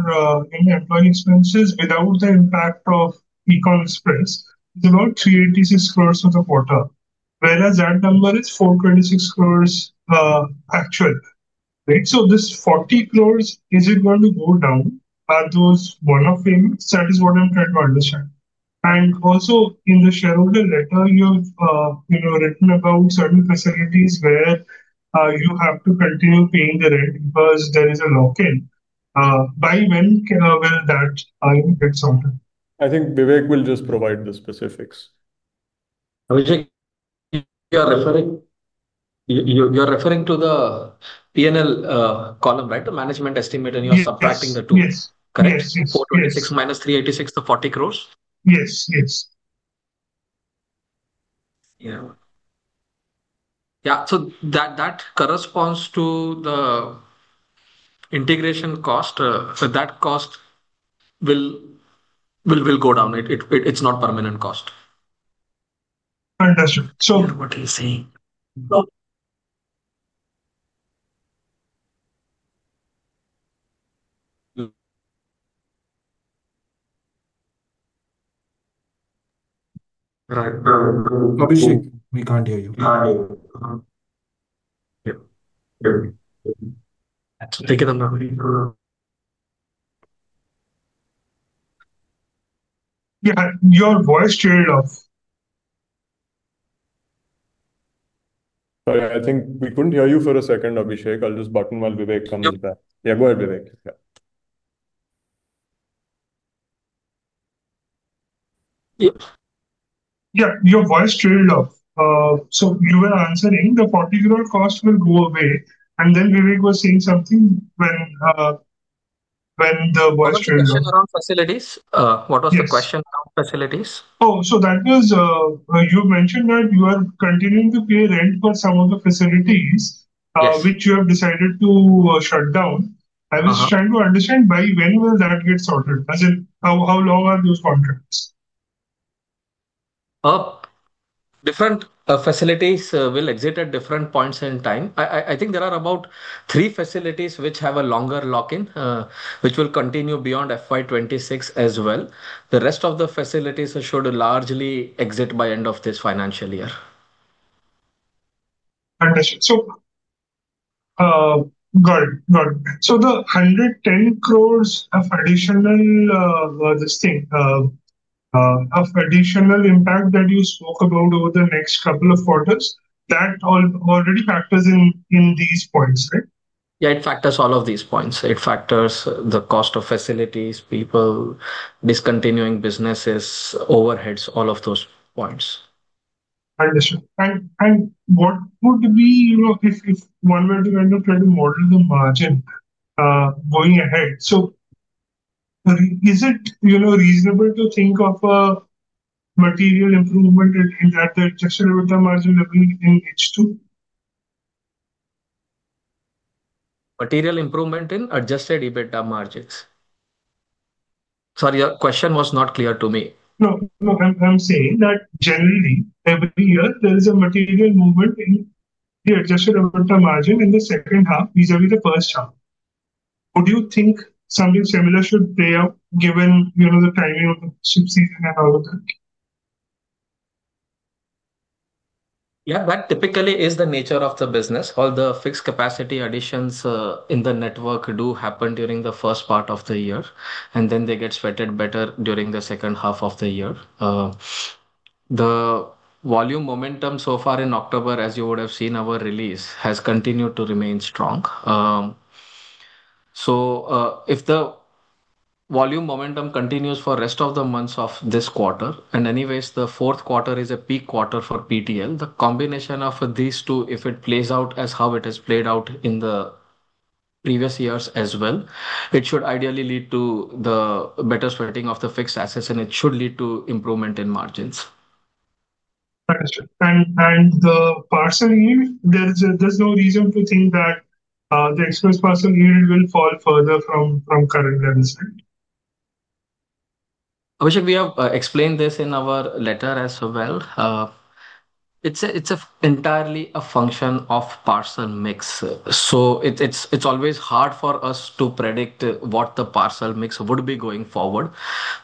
employee expenses without the impact of Ecom Express is about 386 crore for the quarter, whereas that number is 426 crore actual. Right. So this 40 crore, is it going to go down? Are those one-off payments? That is what I'm trying to understand. Also, in the shareholder letter you have, you know, written about certain facilities where you have to continue paying the rent because there is a lock-in. When will that get something? I think Vivek will just provide the specifics. You are referring to the P&L column, right? The management estimate. And you are subtracting the two. Yes. Correct. Six minus 386. The 40 crores? Yes. Yes. That corresponds to the integration cost. That cost will go down. It's not a permanent cost. Understood. Your voice trailed off. Sorry, I think we could not hear you for a second, Abhishek. I will just button while Vivek comes back. Yeah, go ahead Vivek. Yeah. Your voice trailed off. You were answering the particular cost will go away. Then Vivek was saying something. When the voice. Facilities. What was the question? Facilities. Oh, that means you mentioned that you are continuing to pay rent for some of the facilities which you have decided to shut down. I was trying to understand by when will that get sorted? As in how long are those contracts up? Different facilities will exit at different points in time. I think there are about three facilities which have a longer lock-in which will continue beyond FY 2026 as well. The rest of the facilities should largely exit by end of this financial year. The 110 crore of additional, this thing of additional impact that you spoke about over the next couple of quarters, that already factors in these points, right? Yeah, it factors all of these points. It factors the cost of facilities, people discontinuing businesses, overheads, all of those points. What would be, you know, if one were to kind of try to model the margin going ahead? Is it, you know, reasonable to think of a material improvement in the adjusted EBIT margin in H2? Material improvement in adjusted EBITDA margins? Sorry, your question was not clear to me. No, no. I'm saying that generally every year there is a material movement in the adjusted margin in the second half vis-à-vis the first half. Would you think something similar should play out given, you know, the timing of the ship season and all of that? Yeah, that typically is the nature of the business. All the fixed capacity additions in the network do happen during the first part of the year and then they get sweated better during the second half of the year. The volume momentum so far in October, as you would have seen our release, has continued to remain strong. If the volume momentum continues for the rest of the months of this quarter, and anyways the fourth quarter is a peak quarter for PTL, the combination of these two, if it plays out as how it has played out in the previous years as well, it should ideally lead to better sweating of the fixed assets and it should lead to improvement in margins. and the parcel yield. There is no reason to think that the express parcel yield will fall further from current levels. Abhishek, we have explained this in our letter as well. It's a it's entirely a function of parcel mix. It's always hard for us to predict what the parcel mix would be going forward.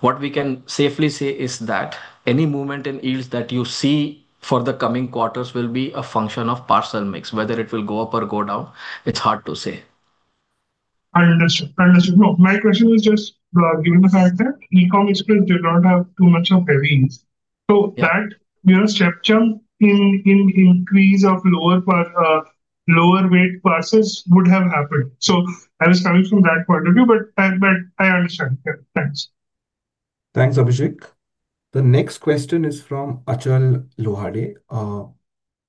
What we can safely say is that any movement in yields that you see for the coming quarters will be a function of parcel mix. Whether it will go up or go down, it's hard to say. I understood. Understood. No, my question was just given the fact that Ecom Express did not have too much of heavy, so that, you know, step jump in increase of lower part, lower weight classes would have happened. I was coming from that point of view, but I understand. Thanks. Thanks, Abhishek. The next question is from Achal Lohade.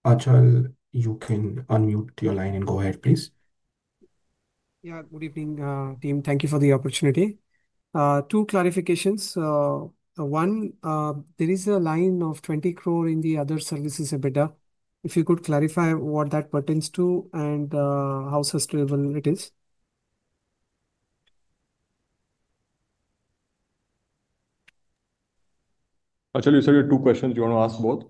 Achal, you can unmute your line and go ahead please. Yeah. Good evening, team. Thank you for the opportunity. Two clarifications. One, there is a line of 20 crore in the other services EBITDA. If you could clarify what that pertains to and how sustainable it is. Actually, you said you have two questions. You want to ask both.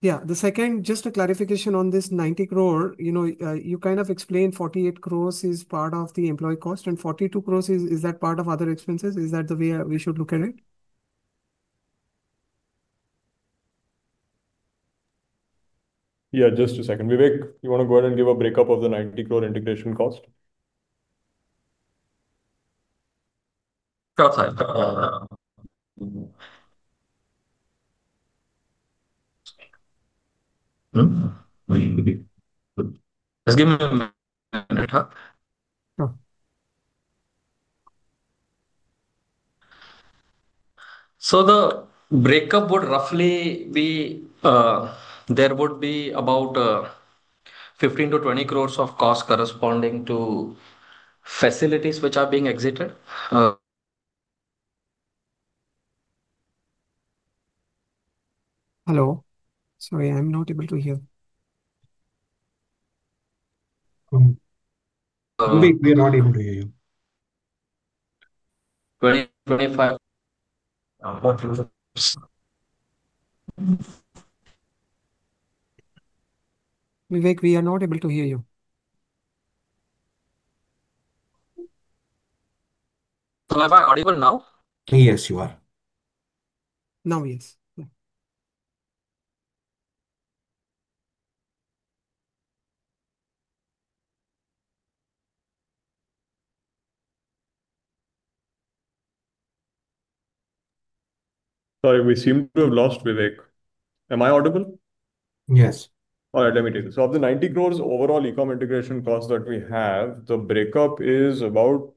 Yeah, the second, just a clarification on this 90 crore. You know, you kind of explained 48 crore is part of the employee cost and 42 crore is that part of other expenses. Is that the way we should look at it? Yeah, just a second. Vivek, you want to go ahead and give a breakup of the 90 crore integration cost. The breakup would roughly be there would be about 15 crore-20 crore of cost corresponding to facilities which are being exited. Hello. Sorry, I'm not able to hear. We are not able to hear you. Am I audible now? Yes, you are. Now yes. Sorry, we seem to have lost. Vivek, am I audible? Yes. All right, let me take this. Of the 90 crores overall Ecom integration cost that we have, the breakup is about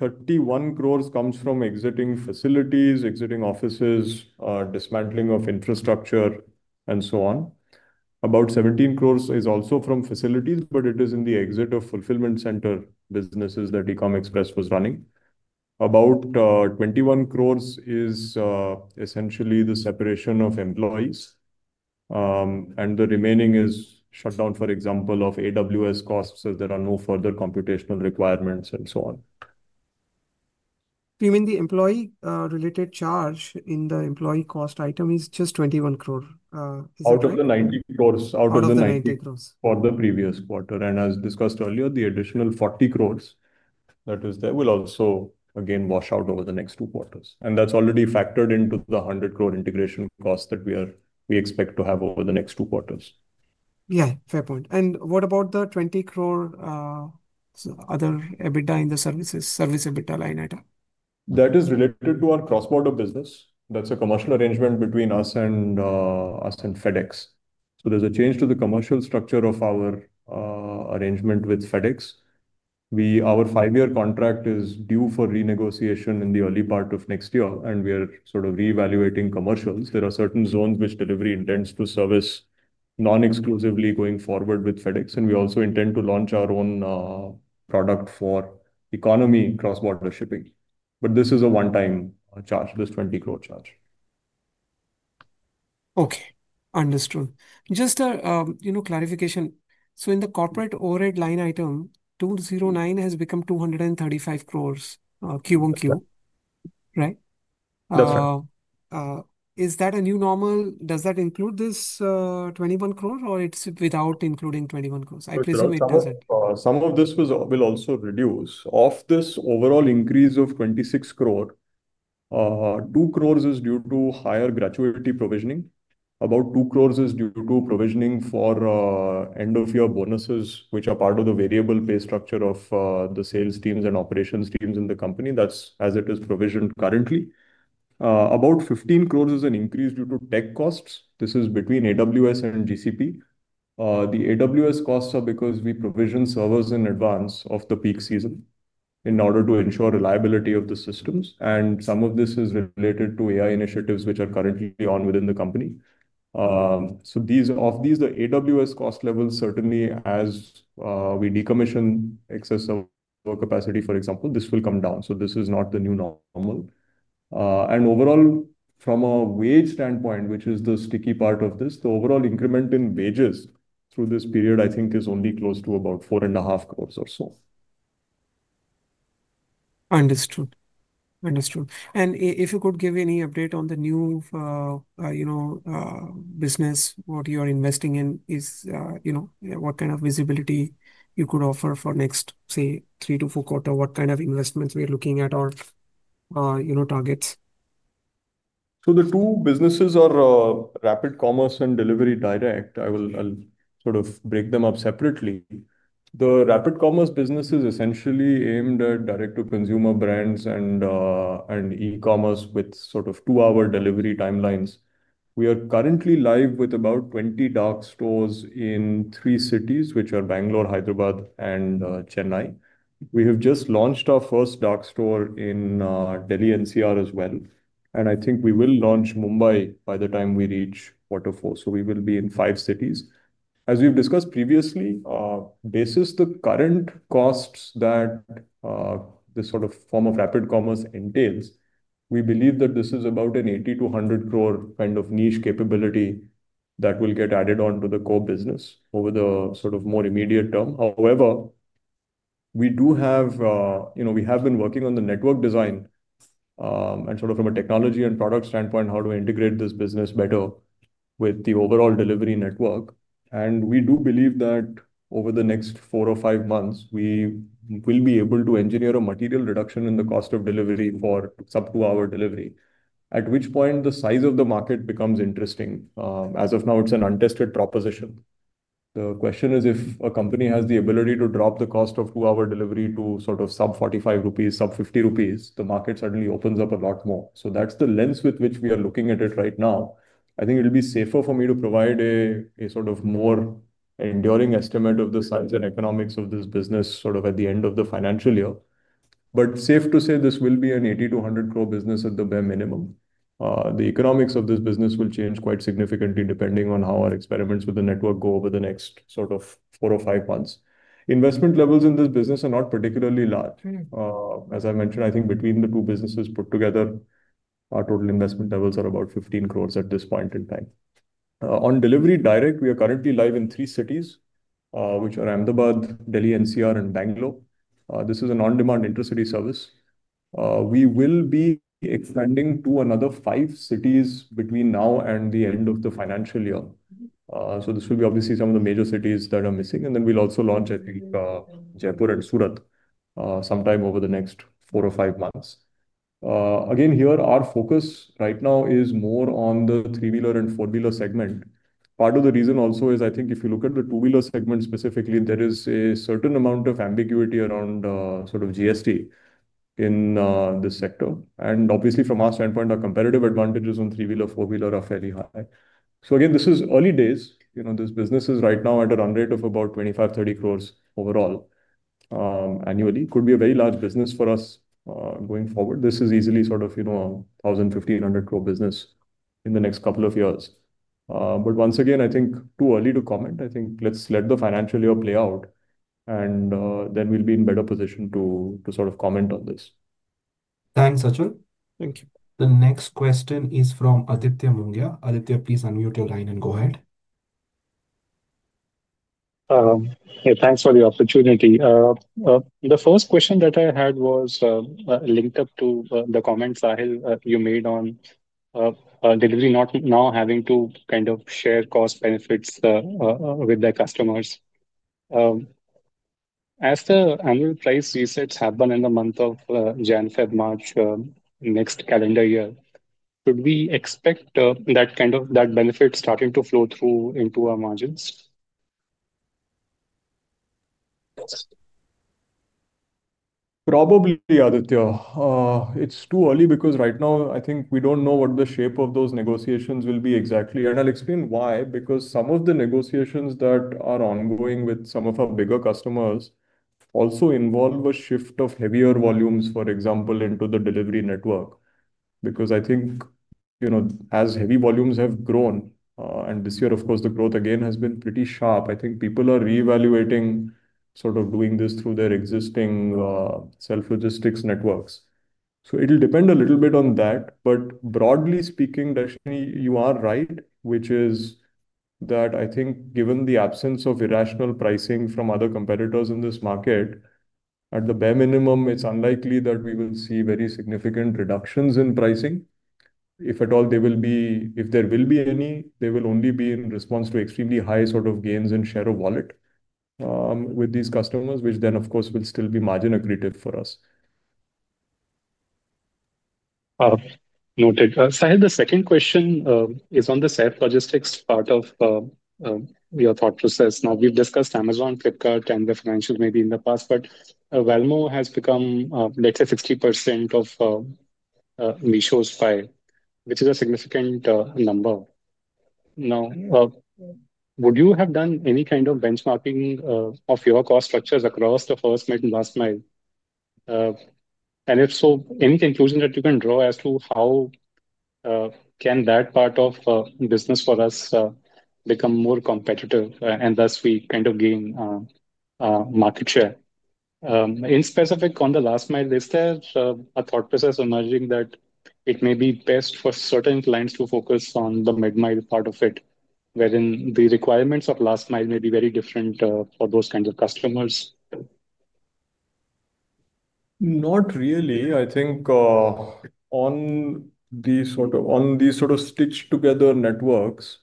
31 crores comes from exiting facilities, exiting offices, dismantling of infrastructure and so on. About 17 crores is also from facilities. But it is in the exit of fulfillment center businesses that Ecom Express was running. About 21 crores is essentially the separation of employees and the remaining is shut down for example of AWS costs as there are no further computational requirements and so on. You mean the employee related charge in the employee cost item is just 21 crore. Out of the 90 crore out of the 90 crore for the previous quarter. As discussed earlier, the additional 40 crore that is there will also again wash out over the next two quarters. That is already factored into the 100 crore integration cost that we expect to have over the next two quarters. Yeah, fair point. What about the 20 crore other EBITDA in the services service? EBITDA line it up. That is related to our cross border business. That is a commercial arrangement between us and FedEx. There is a change to the commercial structure of our arrangement with FedEx. Our five-year contract is due for renegotiation in the early part of next year and we are sort of reevaluating commercials. There are certain zones which Delhivery intends to service non exclusively going forward with FedEx. We also intend to launch our own product for economy cross border shipping. This is a one time charge. This 20 crore charge. Okay, understood. Just a, you know, clarification. In the corporate overhead line item, 209 crore has become 235 crore. QoQ, right? Is that a new normal? Does that include this 21 crore or is it without including 21 crores? I presume it does not. Some of this will also reduce of this overall increase of 26 crore. 2 crore is due to higher gratuity provisioning. About 2 crore is due to provisioning for end of year bonuses which are part of the variable placement structure of the sales teams and operations teams in the company. That's as it is provisioned. Currently about 15 crore is an increase due to tech costs. This is between AWS and GCP. The AWS costs are because we provision servers in advance of the peak season in order to ensure reliability of the systems. Some of this is related to AI initiatives which are currently on within the company. Of these, the AWS cost level certainly as we decommission excess of capacity for example, this will come down. This is not the new normal. Overall from a wage standpoint, which is the sticky part of this, the overall increment in wages through this period I think is only close to about 4.5 crore or so. Understood, understood. If you could give any update on the new, you know, business, what you are investing in is, you know, what kind of visibility you could offer for next, say, three to four quarters, what kind of investments we are looking at or, you know, targets. The two businesses are Rapid Commerce and Delhivery Direct. I will sort of break them up separately. The Rapid Commerce business is essentially aimed at direct to consumer brands and e-commerce with sort of two hour delivery timelines. We are currently live with about 20 dark stores in three cities, which are Bangalore, Hyderabad, and Chennai. We have just launched our first dark store in Delhi NCR as well, and I think we will launch Mumbai by the time we reach waterfall. We will be in five cities as we've discussed previously. Basis the current costs that this sort of form of Rapid Commerce entails, we believe that this is about an 80 crore-100 crore kind of niche capability that will get added on to the core business over the sort of more immediate term. However, we do have, you know, we have been working on the network design and, sort of, from a technology and product standpoint, how do I integrate this business better with the overall Delhivery network? We do believe that over the next four or five months we will be able to engineer a material reduction in the cost of delivery for sub-2 hour-delivery, at which point the size of the market becomes interesting. As of now, it is an untested proposition. The question is, if a company has the ability to drop the cost of two-hour delivery to, sort of, sub-INR 45, sub-INR 50, the market suddenly opens up a lot more. That is the lens with which we are looking at it right now. I think it'll be safer for me to provide a sort of more enduring estimate of the size and economics of this business sort of at the end of the financial year. Safe to say this will be an 80 crore-100 crore business at the bare minimum. The economics of this business will change quite significantly depending on how our experiments with the network go over the next four or five months. Investment levels in this business are not particularly large. As I mentioned, I think between the two businesses put together our total investment levels are about 15 crore at this point in time. On Delhivery Direct, we are currently live in three cities, which are Ahmedabad, Delhi NCR, and Bangalore. This is an on-demand intra-city service. We will be expanding to another five cities between now and the end of the financial year. This will be obviously some of the major cities that are missing. We will also launch, I think, Jaipur and Surat sometime over the next four or five months. Again, here our focus right now is more on the three-wheeler and four-wheeler segment. Part of the reason also is, I think, if you look at the two-wheeler segment specifically, there is a certain amount of ambiguity around GST in this sector. Obviously, from our standpoint, our comparative advantages on three-wheeler, four-wheeler are fairly high. Again, this is early days. You know, this business is right now at a run rate of about 25 crore-30 crore overall annually. Could be a very large business for us going forward. This is easily, sort of, you know, an 1,500 crore business in the next couple of years. Once again I think too early to comment. I think let's let the financial year play out and then we'll be in better position to, to sort of comment on this. Thanks Achal. Thank you. The next question is from Aditya Mongia. Aditya, please unmute your line and go ahead. Thanks for the opportunity. The first question that I had was linked up to the comments you made on Delhivery. Not now having to kind of share cost benefits with the customers as the annual price resets happen in the month of January, February, March next calendar year, could we expect that kind of that benefit starting to flow through into our margins? Probably Aditya, it's too early because right now I think we don't know what the shape of those negotiations will be exactly, and I'll explain why, because some of the negotiations that are ongoing with some of our bigger customers also involve a shift of heavier volumes, for example, into the Delhivery network because I think, you know, as heavy volumes have grown, and this year of course the growth again has been pretty sharp. I think people are reevaluating sort of doing this through their existing self logistics networks, so it'll depend a little bit on that. Broadly speaking, Dashni, you are right, which is that I think given the absence of irrational pricing from other competitors in this market, at the bare minimum it is unlikely that we will see very significant reductions in pricing. If at all there will be any, they will only be in response to extremely high sort of gains in share of wallet with these customers, which then of course will still be margin accretive for us. Noted Sahil, the second question is on the self-logistics part of your thought process. Now, we've discussed Amazon, Flipkart, and the financial maybe in the past, but Valmo has become, let's say, 60% of Meesho's file, which is a significant number. Now, would you have done any kind of benchmarking of your cost structures across the first, mid, and last mile, and if so, any conclusion that you can draw as to how can that part of business for us become more competitive and thus we kind of gain market share? In specific, on the last mile, is there a thought process emerging that it may be best for certain clients to focus on the mid mile part of it, wherein the requirements of last mile may be very different for those kinds of customers? Not really. I think on these sort of stitched together networks,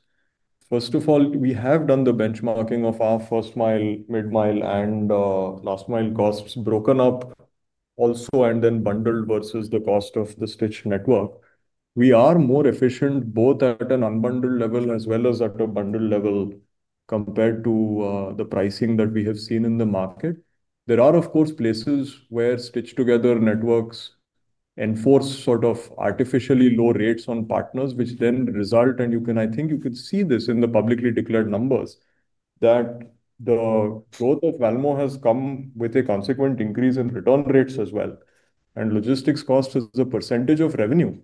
first of all, we have done the benchmarking of our first mile, mid mile, and last mile costs broken up also, and then bundled versus the cost of the stitched network. We are more efficient both at an unbundled level as well as at a bundled level compared to the pricing that we have seen in the market. There are, of course, places where stitched together networks enforce sort of artificially low rates on partners, which then result, and you can, I think you could see this in the publicly declared numbers, that the growth of Valmo has come with a consequent increase in return rates as well. Logistics cost as a percentage of revenue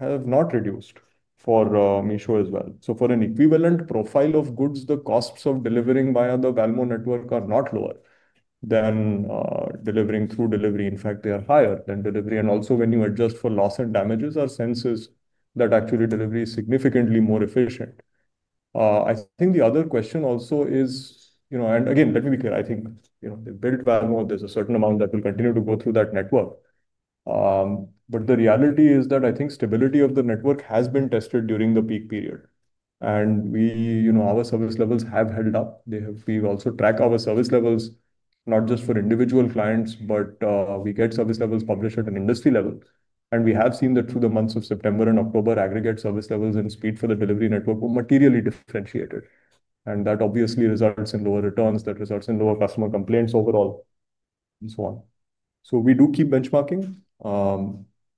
have not reduced for Meesho as well. For an equivalent profile of goods, the costs of delivering via the Valmo network are not lower than delivering through Delhivery. In fact, they are higher than Delhivery. Also, when you adjust for loss and damages, our sense is that actually Delhivery is significantly more efficient. I think the other question also is, you know, and again, let me be clear. I think, you know, they built Valmo, there is a certain amount that will continue to go through that network. The reality is that I think stability of the network has been tested during the peak period and we, you know, our service levels have held up. They have. We also track our service levels not just for individual clients, but we get service levels published at an industry level. We have seen that through the months of September and October, aggregate service levels and speed for the Delhivery network were materially differentiated. That obviously results in lower returns, that results in lower customer complaints overall and so on. We do keep benchmarking.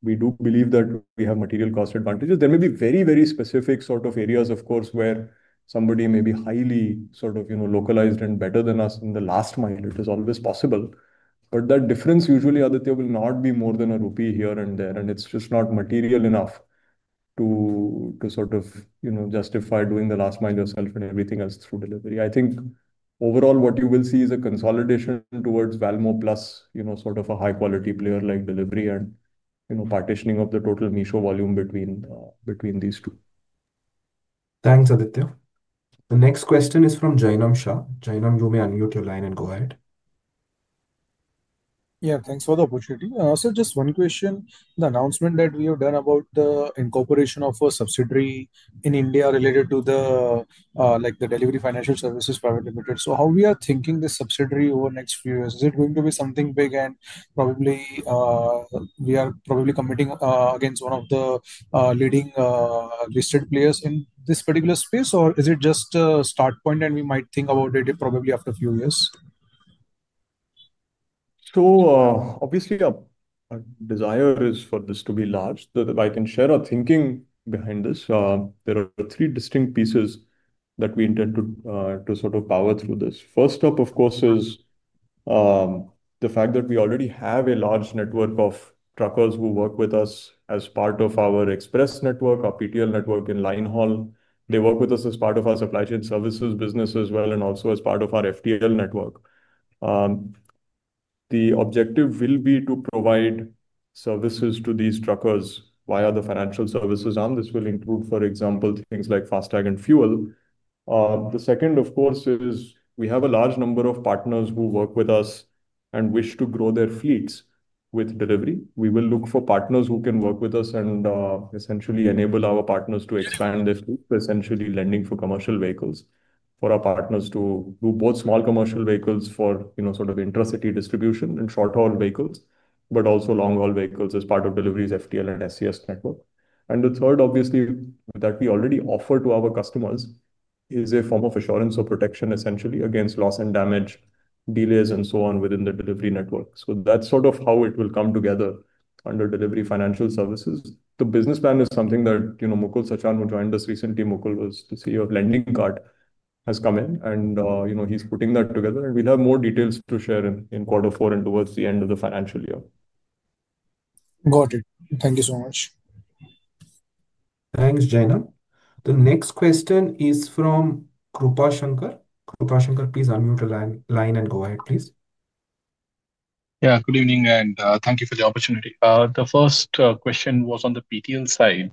We do believe that we have material cost advantages. There may be very, very specific sort of areas, of course, where somebody may be highly sort of, you know, localized and better than us in the last mile. It is always possible. That difference usually, Aditya, will not be more than a rupee here and there and it is just not material enough to, to sort of, you know, justify doing the last mile yourself and everything else through Delhivery. I think overall what you will see is a consolidation towards Valmo plus, you know, sort of a high quality player like Delhivery and, you know, partitioning of the total Meesho volume between these two. Thanks, Aditya. The next question is from Jainam Shah. Jainam, you may unmute your line and go ahead. Yeah, thanks for the opportunity. Just one question. The announcement that we have done about the incorporation of a subsidiary in India related to the Delhivery Financial Services Private Limited. How are we thinking about the subsidiary over the next few years? Is it going to be something big and probably we are committing against one of the leading listed players in this particular space, or is it just a start point and we might think about it after a few years? Obviously our desire is for this to be large. I can share our thinking behind this. There are three distinct pieces that we intend to sort of power through this. First up, of course, is the fact that we already have a large network of truckers who work with us as part of our express network, our PTL network in line haul, they work with us as part of our supply chain services business as well, and also as part of our FTL network. The objective will be to provide services to these truckers via the financial services arm. This will include, for example, things like FASTag and fuel. The second, of course, is we have a large number of partners who work with us and wish to grow their fleets with Delhivery. We will look for partners who can work with us and essentially enable our partners to expand this essentially lending for commercial vehicles for our partners to do both small commercial vehicles for, you know, sort of intra city distribution and short haul vehicles but also long haul vehicles as part of Delhivery's FTL and SCS network. The third obviously that we already offer to our customers is a form of assurance or protection essentially against loss and damage, delays and so on within the Delhivery network. That is sort of how it will come together under Delhivery Financial Services. The business plan is something that, you know, Mukul Sachan who joined us recently, Mukul was the CEO of Lendingkart, has come in and, you know, he is putting that together and we will have more details to share in quarter four and towards the end of the financial year. Got it. Thank you so much. Thanks, Jainam. The next question is from Krupa Shankar. Krupa Shankar please unmute your line and go ahead, please. Yeah, good evening and thank you for the opportunity. The first question was on the PTL side.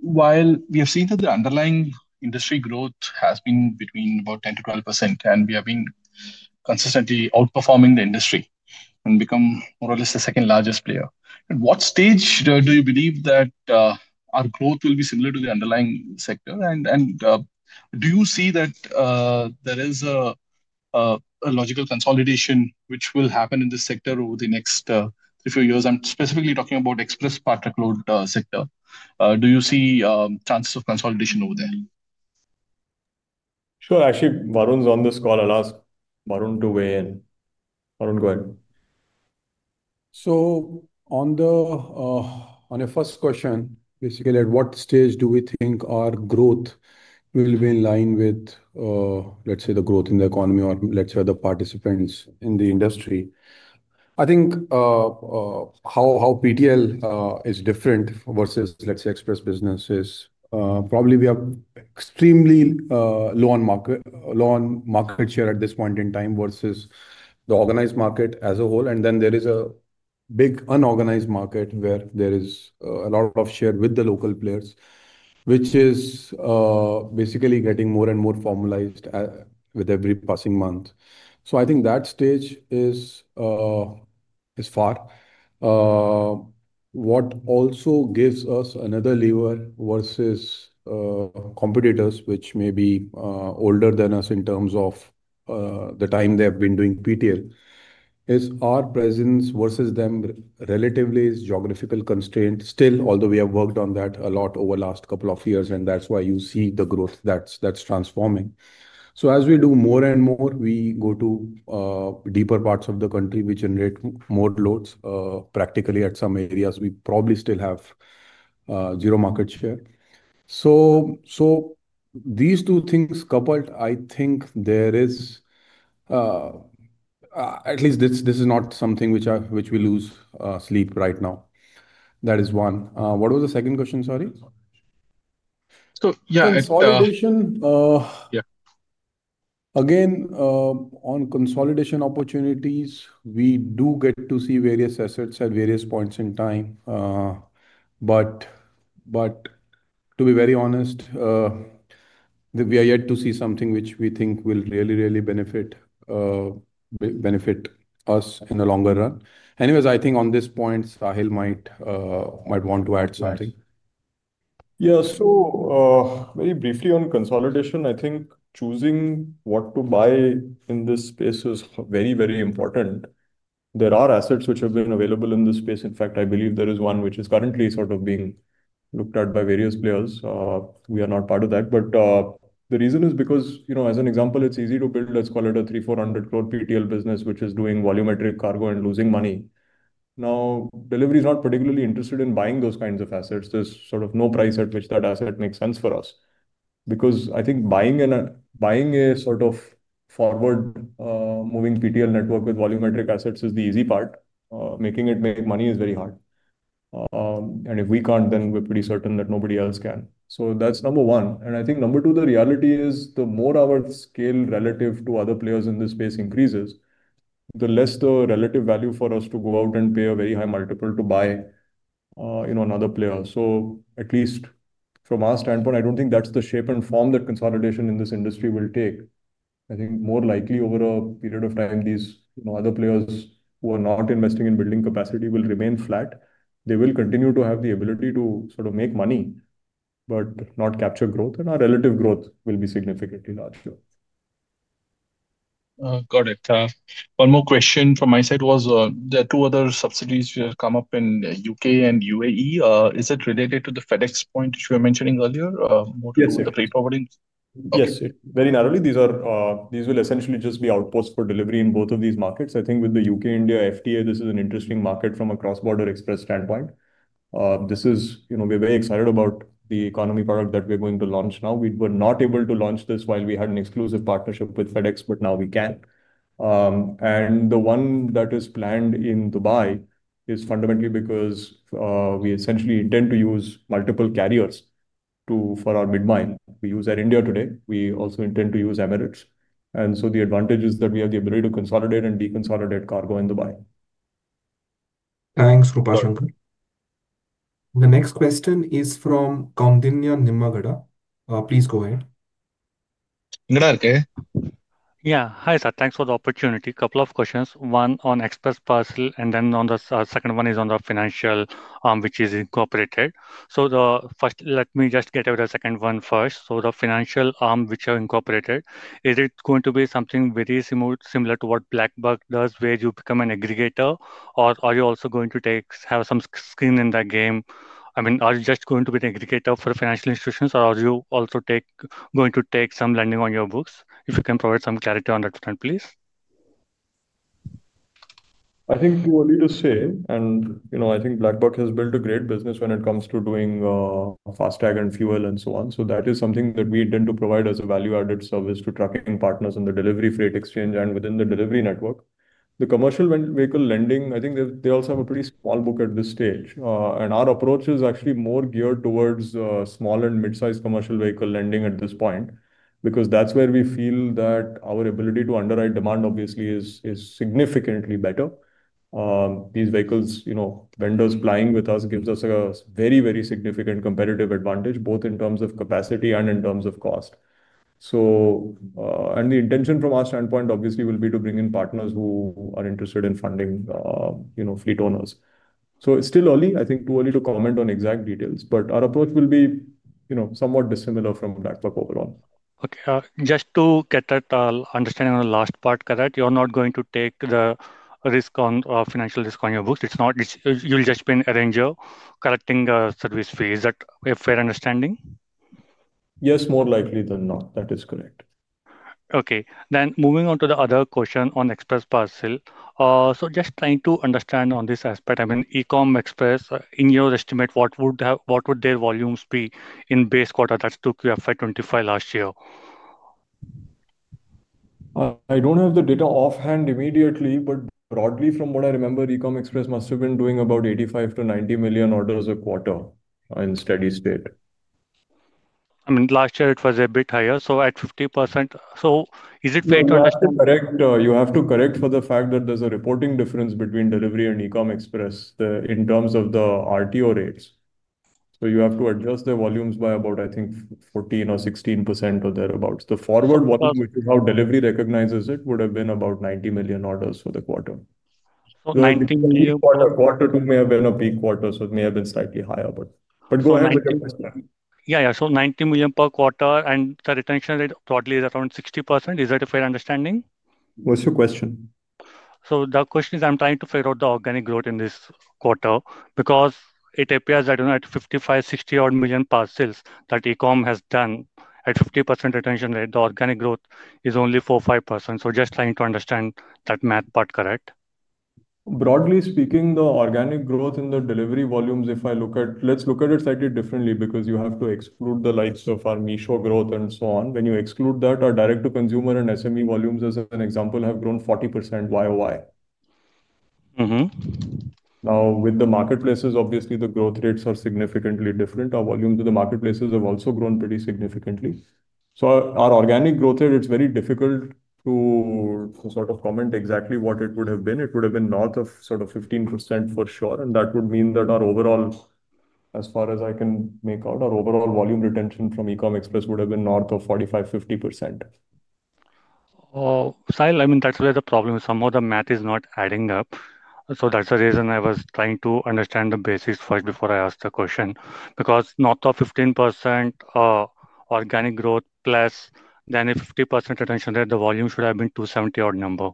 While we have seen that the underlying industry growth has been between about 10%-12% and we have been consistently outperforming the industry and become more or less the second largest player. At what stage do you believe that our growth will be similar to the underlying sector and do you see that there is a logical consolidation which will happen in this sector over the next few years? I'm specifically talking about express Part Truck Load sector. Do you see chances of consolidation over there? Sure. Actually Varun's on this call. I'll ask Varun to weigh in. Go ahead. On your first question, basically at what stage do we think. Our growth will be in line with let's say the growth in the economy or let's say the participants in the industry. I think how PTL is different versus let's say Express business is probably. We have extremely low on market, low on market share at this point in time versus the organized market as a whole. There is a big unorganized market where there is a lot of share with the local players, which is basically getting more and more formalized with every passing month. I think that stage is as far what also gives us another lever versus competitors which may be older than us in terms of the time they have been doing PTL is our presence versus them relatively is geographical constraint still. Although we have worked on that a lot over the last couple of years. That's why you see the growth that's transforming. As we do more and more ee go to deeper parts of the country which generate more loads, practically at some areas we probably still have zero market share. These two things coupled, I think there is at least this, this Is not something which I, which we lose sleep right now. That is one. What was the second question? Sorry. So yeah. Again on consolidation opportunities, we do get to see various assets at various points in time. To be very honest, we are yet to see something which we think will really, really benefit us In the longer run. Anyways, I think on this point Sahil might want to add something. Yeah. So very briefly on consolidation, I think choosing what to buy in this space is very, very important. There are assets which have been available in this space. In fact, I believe there is one which is currently sort of being looked at by various players. We are not part of that. The reason is because, you know, as an example, it's easy to build, let's call it an 3,400 crore PTL business which is doing volumetric cargo and losing money. Now Delhivery is not particularly interested in buying those kinds of assets. There is sort of no price at which that asset makes sense for us because I think buying a, buying a sort of forward moving PTL network with volumetric assets is the easy part. Making it make money is very hard and if we can't then we're pretty certain that nobody else can. That's number one. I think number two, the reality is the more our scale, scale relative to other players in this space, increases, the less the relative value for us to go out and pay a very high multiple to buy, you know, another player. At least from our standpoint, I do not think that is the shape and form that consolidation in this industry will take. I think more likely over a period of time, these, you know, other players who are not investing in building capacity will remain flat. They will continue to have the ability to sort of make money but not capture growth, and our relative growth will be significantly larger. Got it. One more question from my side was there are two other subsidiaries come up in the U.K. and UAE. Is it related to the FedEx point which we were mentioning earlier? Yes, very narrowly these are, these will essentially just be outposts for Delhivery in both of these markets. I think with the U.K.-India FTA, this is an interesting market from a cross-border express standpoint. This is, you know, we're very excited about the economy product that we're going to launch. Now we were not able to launch this while we had an exclusive partnership with FedEx, but now we can. The one that is planned in Dubai is fundamentally because we essentially intend to use multiple carriers for our mid-mile. We use that in India today, we also intend to use Emirates. The advantage is that we have the ability to consolidate and deconsolidate cargo in Dubai. Thanks, Krupa Shankar. The next question is from Kamdinya Nimagada. Please go ahead. Yeah, hi sir, thanks for the opportunity. Couple of questions, one on express parcel and then the second one is on the financial which is incorporated. Let me just get over the second one first. The financial arm which you incorporated, is it going to be something very similar, similar to what BlackBuck does where you become an aggregator or are you also going to have some skin in the game? I mean, are you just going to be aggregator for financial institutions or are you also going to take some lending on your books? If you can provide some clarity on that front, please. I think too early to say and you know, I think BlackBuck has built a great business when it comes to doing FASTag and fuel and so on. That is something that we intend to provide as a value added service to trucking partners and Delhivery freight exchange and within the Delhivery network, the commercial vehicle lending. I think they also have a pretty small book at this stage and our approach is actually more geared towards small and mid-sized commercial vehicle lending at this point because that is where we feel that our ability to underwrite demand obviously is significantly better. These vehicles vendors flying with us gives us a very, very significant competitive advantage both in terms of capacity and in terms of cost. The intention from our standpoint obviously will be to bring in partners who are interested in funding, you know, fleet owners. It is still early, I think too early to comment on exact details, but our approach will be, you know, somewhat dissimilar from BlackBuck overall. Okay, just to get that understanding on the last part correct, you're not going to take the risk on financial risk on your books. It's not, it's. You'll just be an arranger collecting a service fee. Is that a fair understanding? Yes. More likely than not, that is correct. Okay then moving on to the other question on express parcel. Just trying to understand on this aspect. I mean, Ecom Express, in your estimate, what would their volumes be in base quarter? That's 2Q FY 2025 last year. I don't have the data offhand immediately, but broadly, from what I remember, Ecom Express must have been doing about 85-90 million orders a quarter in steady state. I mean last year it was a bit higher, at 50%. Is it fair to understand? Correct. You have to correct for the fact that there's a reporting difference between Delhivery and Ecom Express in terms of the RTO rates. You have to adjust their volumes by about, I think, 14% or 16% or thereabouts. The forward volume, which is how Delhivery recognizes it, would have been about 90 million orders for the quarter. Quarter 2 may have been a peak quarter, so it may have been slightly higher. Go. Yeah, yeah. So 90 million per quarter and the retention rate broadly is around 60%. Is that a fair understanding? What's your question? The question is, I'm trying to figure out the organic growth in this quarter because it appears, I don't know, at 55-60 million parcels that Ecom has done. At 50% retention rate, the organic growth is only 4%-5%. Just trying to understand that math part. Correct. Broadly speaking, the organic growth in the Delhivery volumes, if I look at. Let's look at it slightly differently because you have to exclude the likes of our Meesho growth and so on. When you exclude that, our direct to consumer and SME volumes, as an example, have grown 40%. Now, with the marketplaces, obviously the growth rates are significantly different. Our volumes are. The marketplaces have also grown pretty significantly. Our organic growth rate, it's very difficult to sort of comment exactly what it would have been. It would have been north of 15% for sure. That would mean that our overall, as far as I can make out, our overall volume retention from Ecom Express would have been north of 45%-50%. I mean that's where the problem is. Somehow the math is not adding up. That's the reason I was trying to understand the basics first before I asked the question. Because north of 15% organic growth plus then a 50% retention rate, the volume should have been 270 odd number.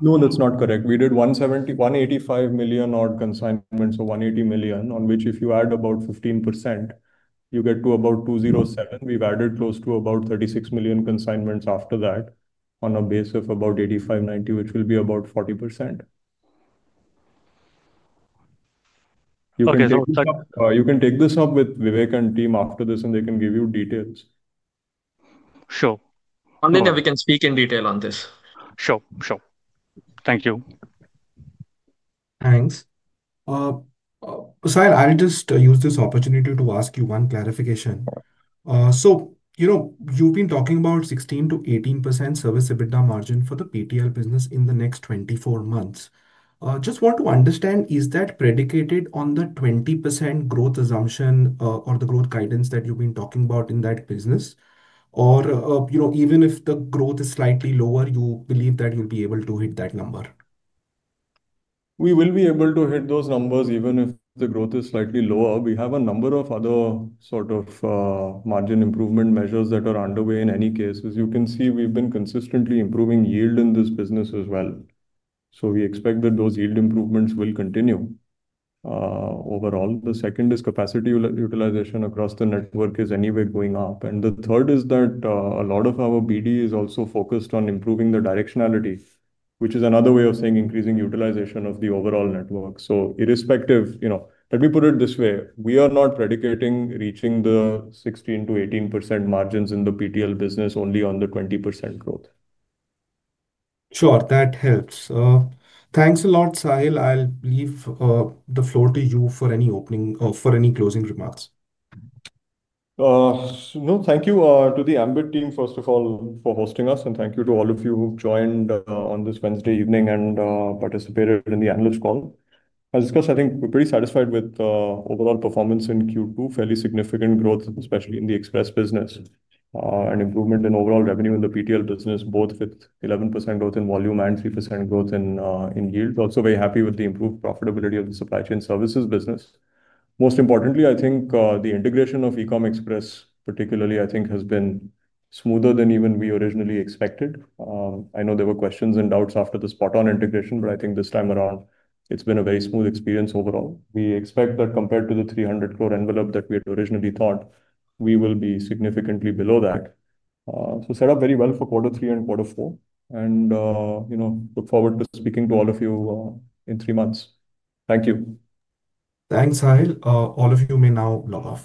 No, that's not correct. We did 170, 185 million odd consignments. Or 180 million on which if you add about 15% you get to about 207. We've added close to about 36 million consignments after that on a base of about 85-90 which will be about 40%. You can take this up with Vivek and team after this and they can give you details. Sure. We can speak in detail on this. Sure, sure. Thank you. Thanks. I'll just use this opportunity to ask you one clarification. So you know you've been talking about 16%-18% service EBITDA margin for the PTL business in the next 24 months. Just want to understand is that predicated on the 20% growth assumption or the growth guidance that you've been talking about in that business or you know, even if the growth is slightly lower, you believe that you'll be able to hit that number? We will be able to hit those numbers even if the growth is slightly lower. We have a number of other sort of margin improvement measures that are underway. In any case, as you can see, we've been consistently improving yield in this business as well. We expect that those yield improvements will continue overall. The second is capacity utilization across the network is anyway going up. The third is that a lot of our BD is also focused on improving the directionality, which is another way of saying increasing utilization of the overall network. Irrespective, you know, let me put it this way, we are not predicating reaching the 16%-18% margins in the PTL business only on the 20% growth. Sure, that helps. Thanks a lot, Sahil. I'll leave the floor to you for any closing remarks. No, thank you to the Ambit team first of all for hosting us and thank you to all of you who've joined on this Wednesday evening and participated in the analyst call as discussed. I think we're pretty satisfied with overall performance in Q2. Fairly significant growth especially in the Express business and improvement in overall revenue in the PTL business both with 11% growth in volume and 3% growth in yield. Also very happy with the improved profitability of the supply chain services business. Most importantly, I think the integration of Ecom Express particularly I think has been smoother than even we originally expected. I know there were questions and doubts after the Spoton integration but I think this time around it's been a very smooth experience. Overall we expect that compared to the 300 crore envelope that we had originally thought, we will be significantly below that. Set up very well for quarter three and quarter four. You know, look forward to speaking to all of you in three months. Thank you. Thanks. All of you may now log off.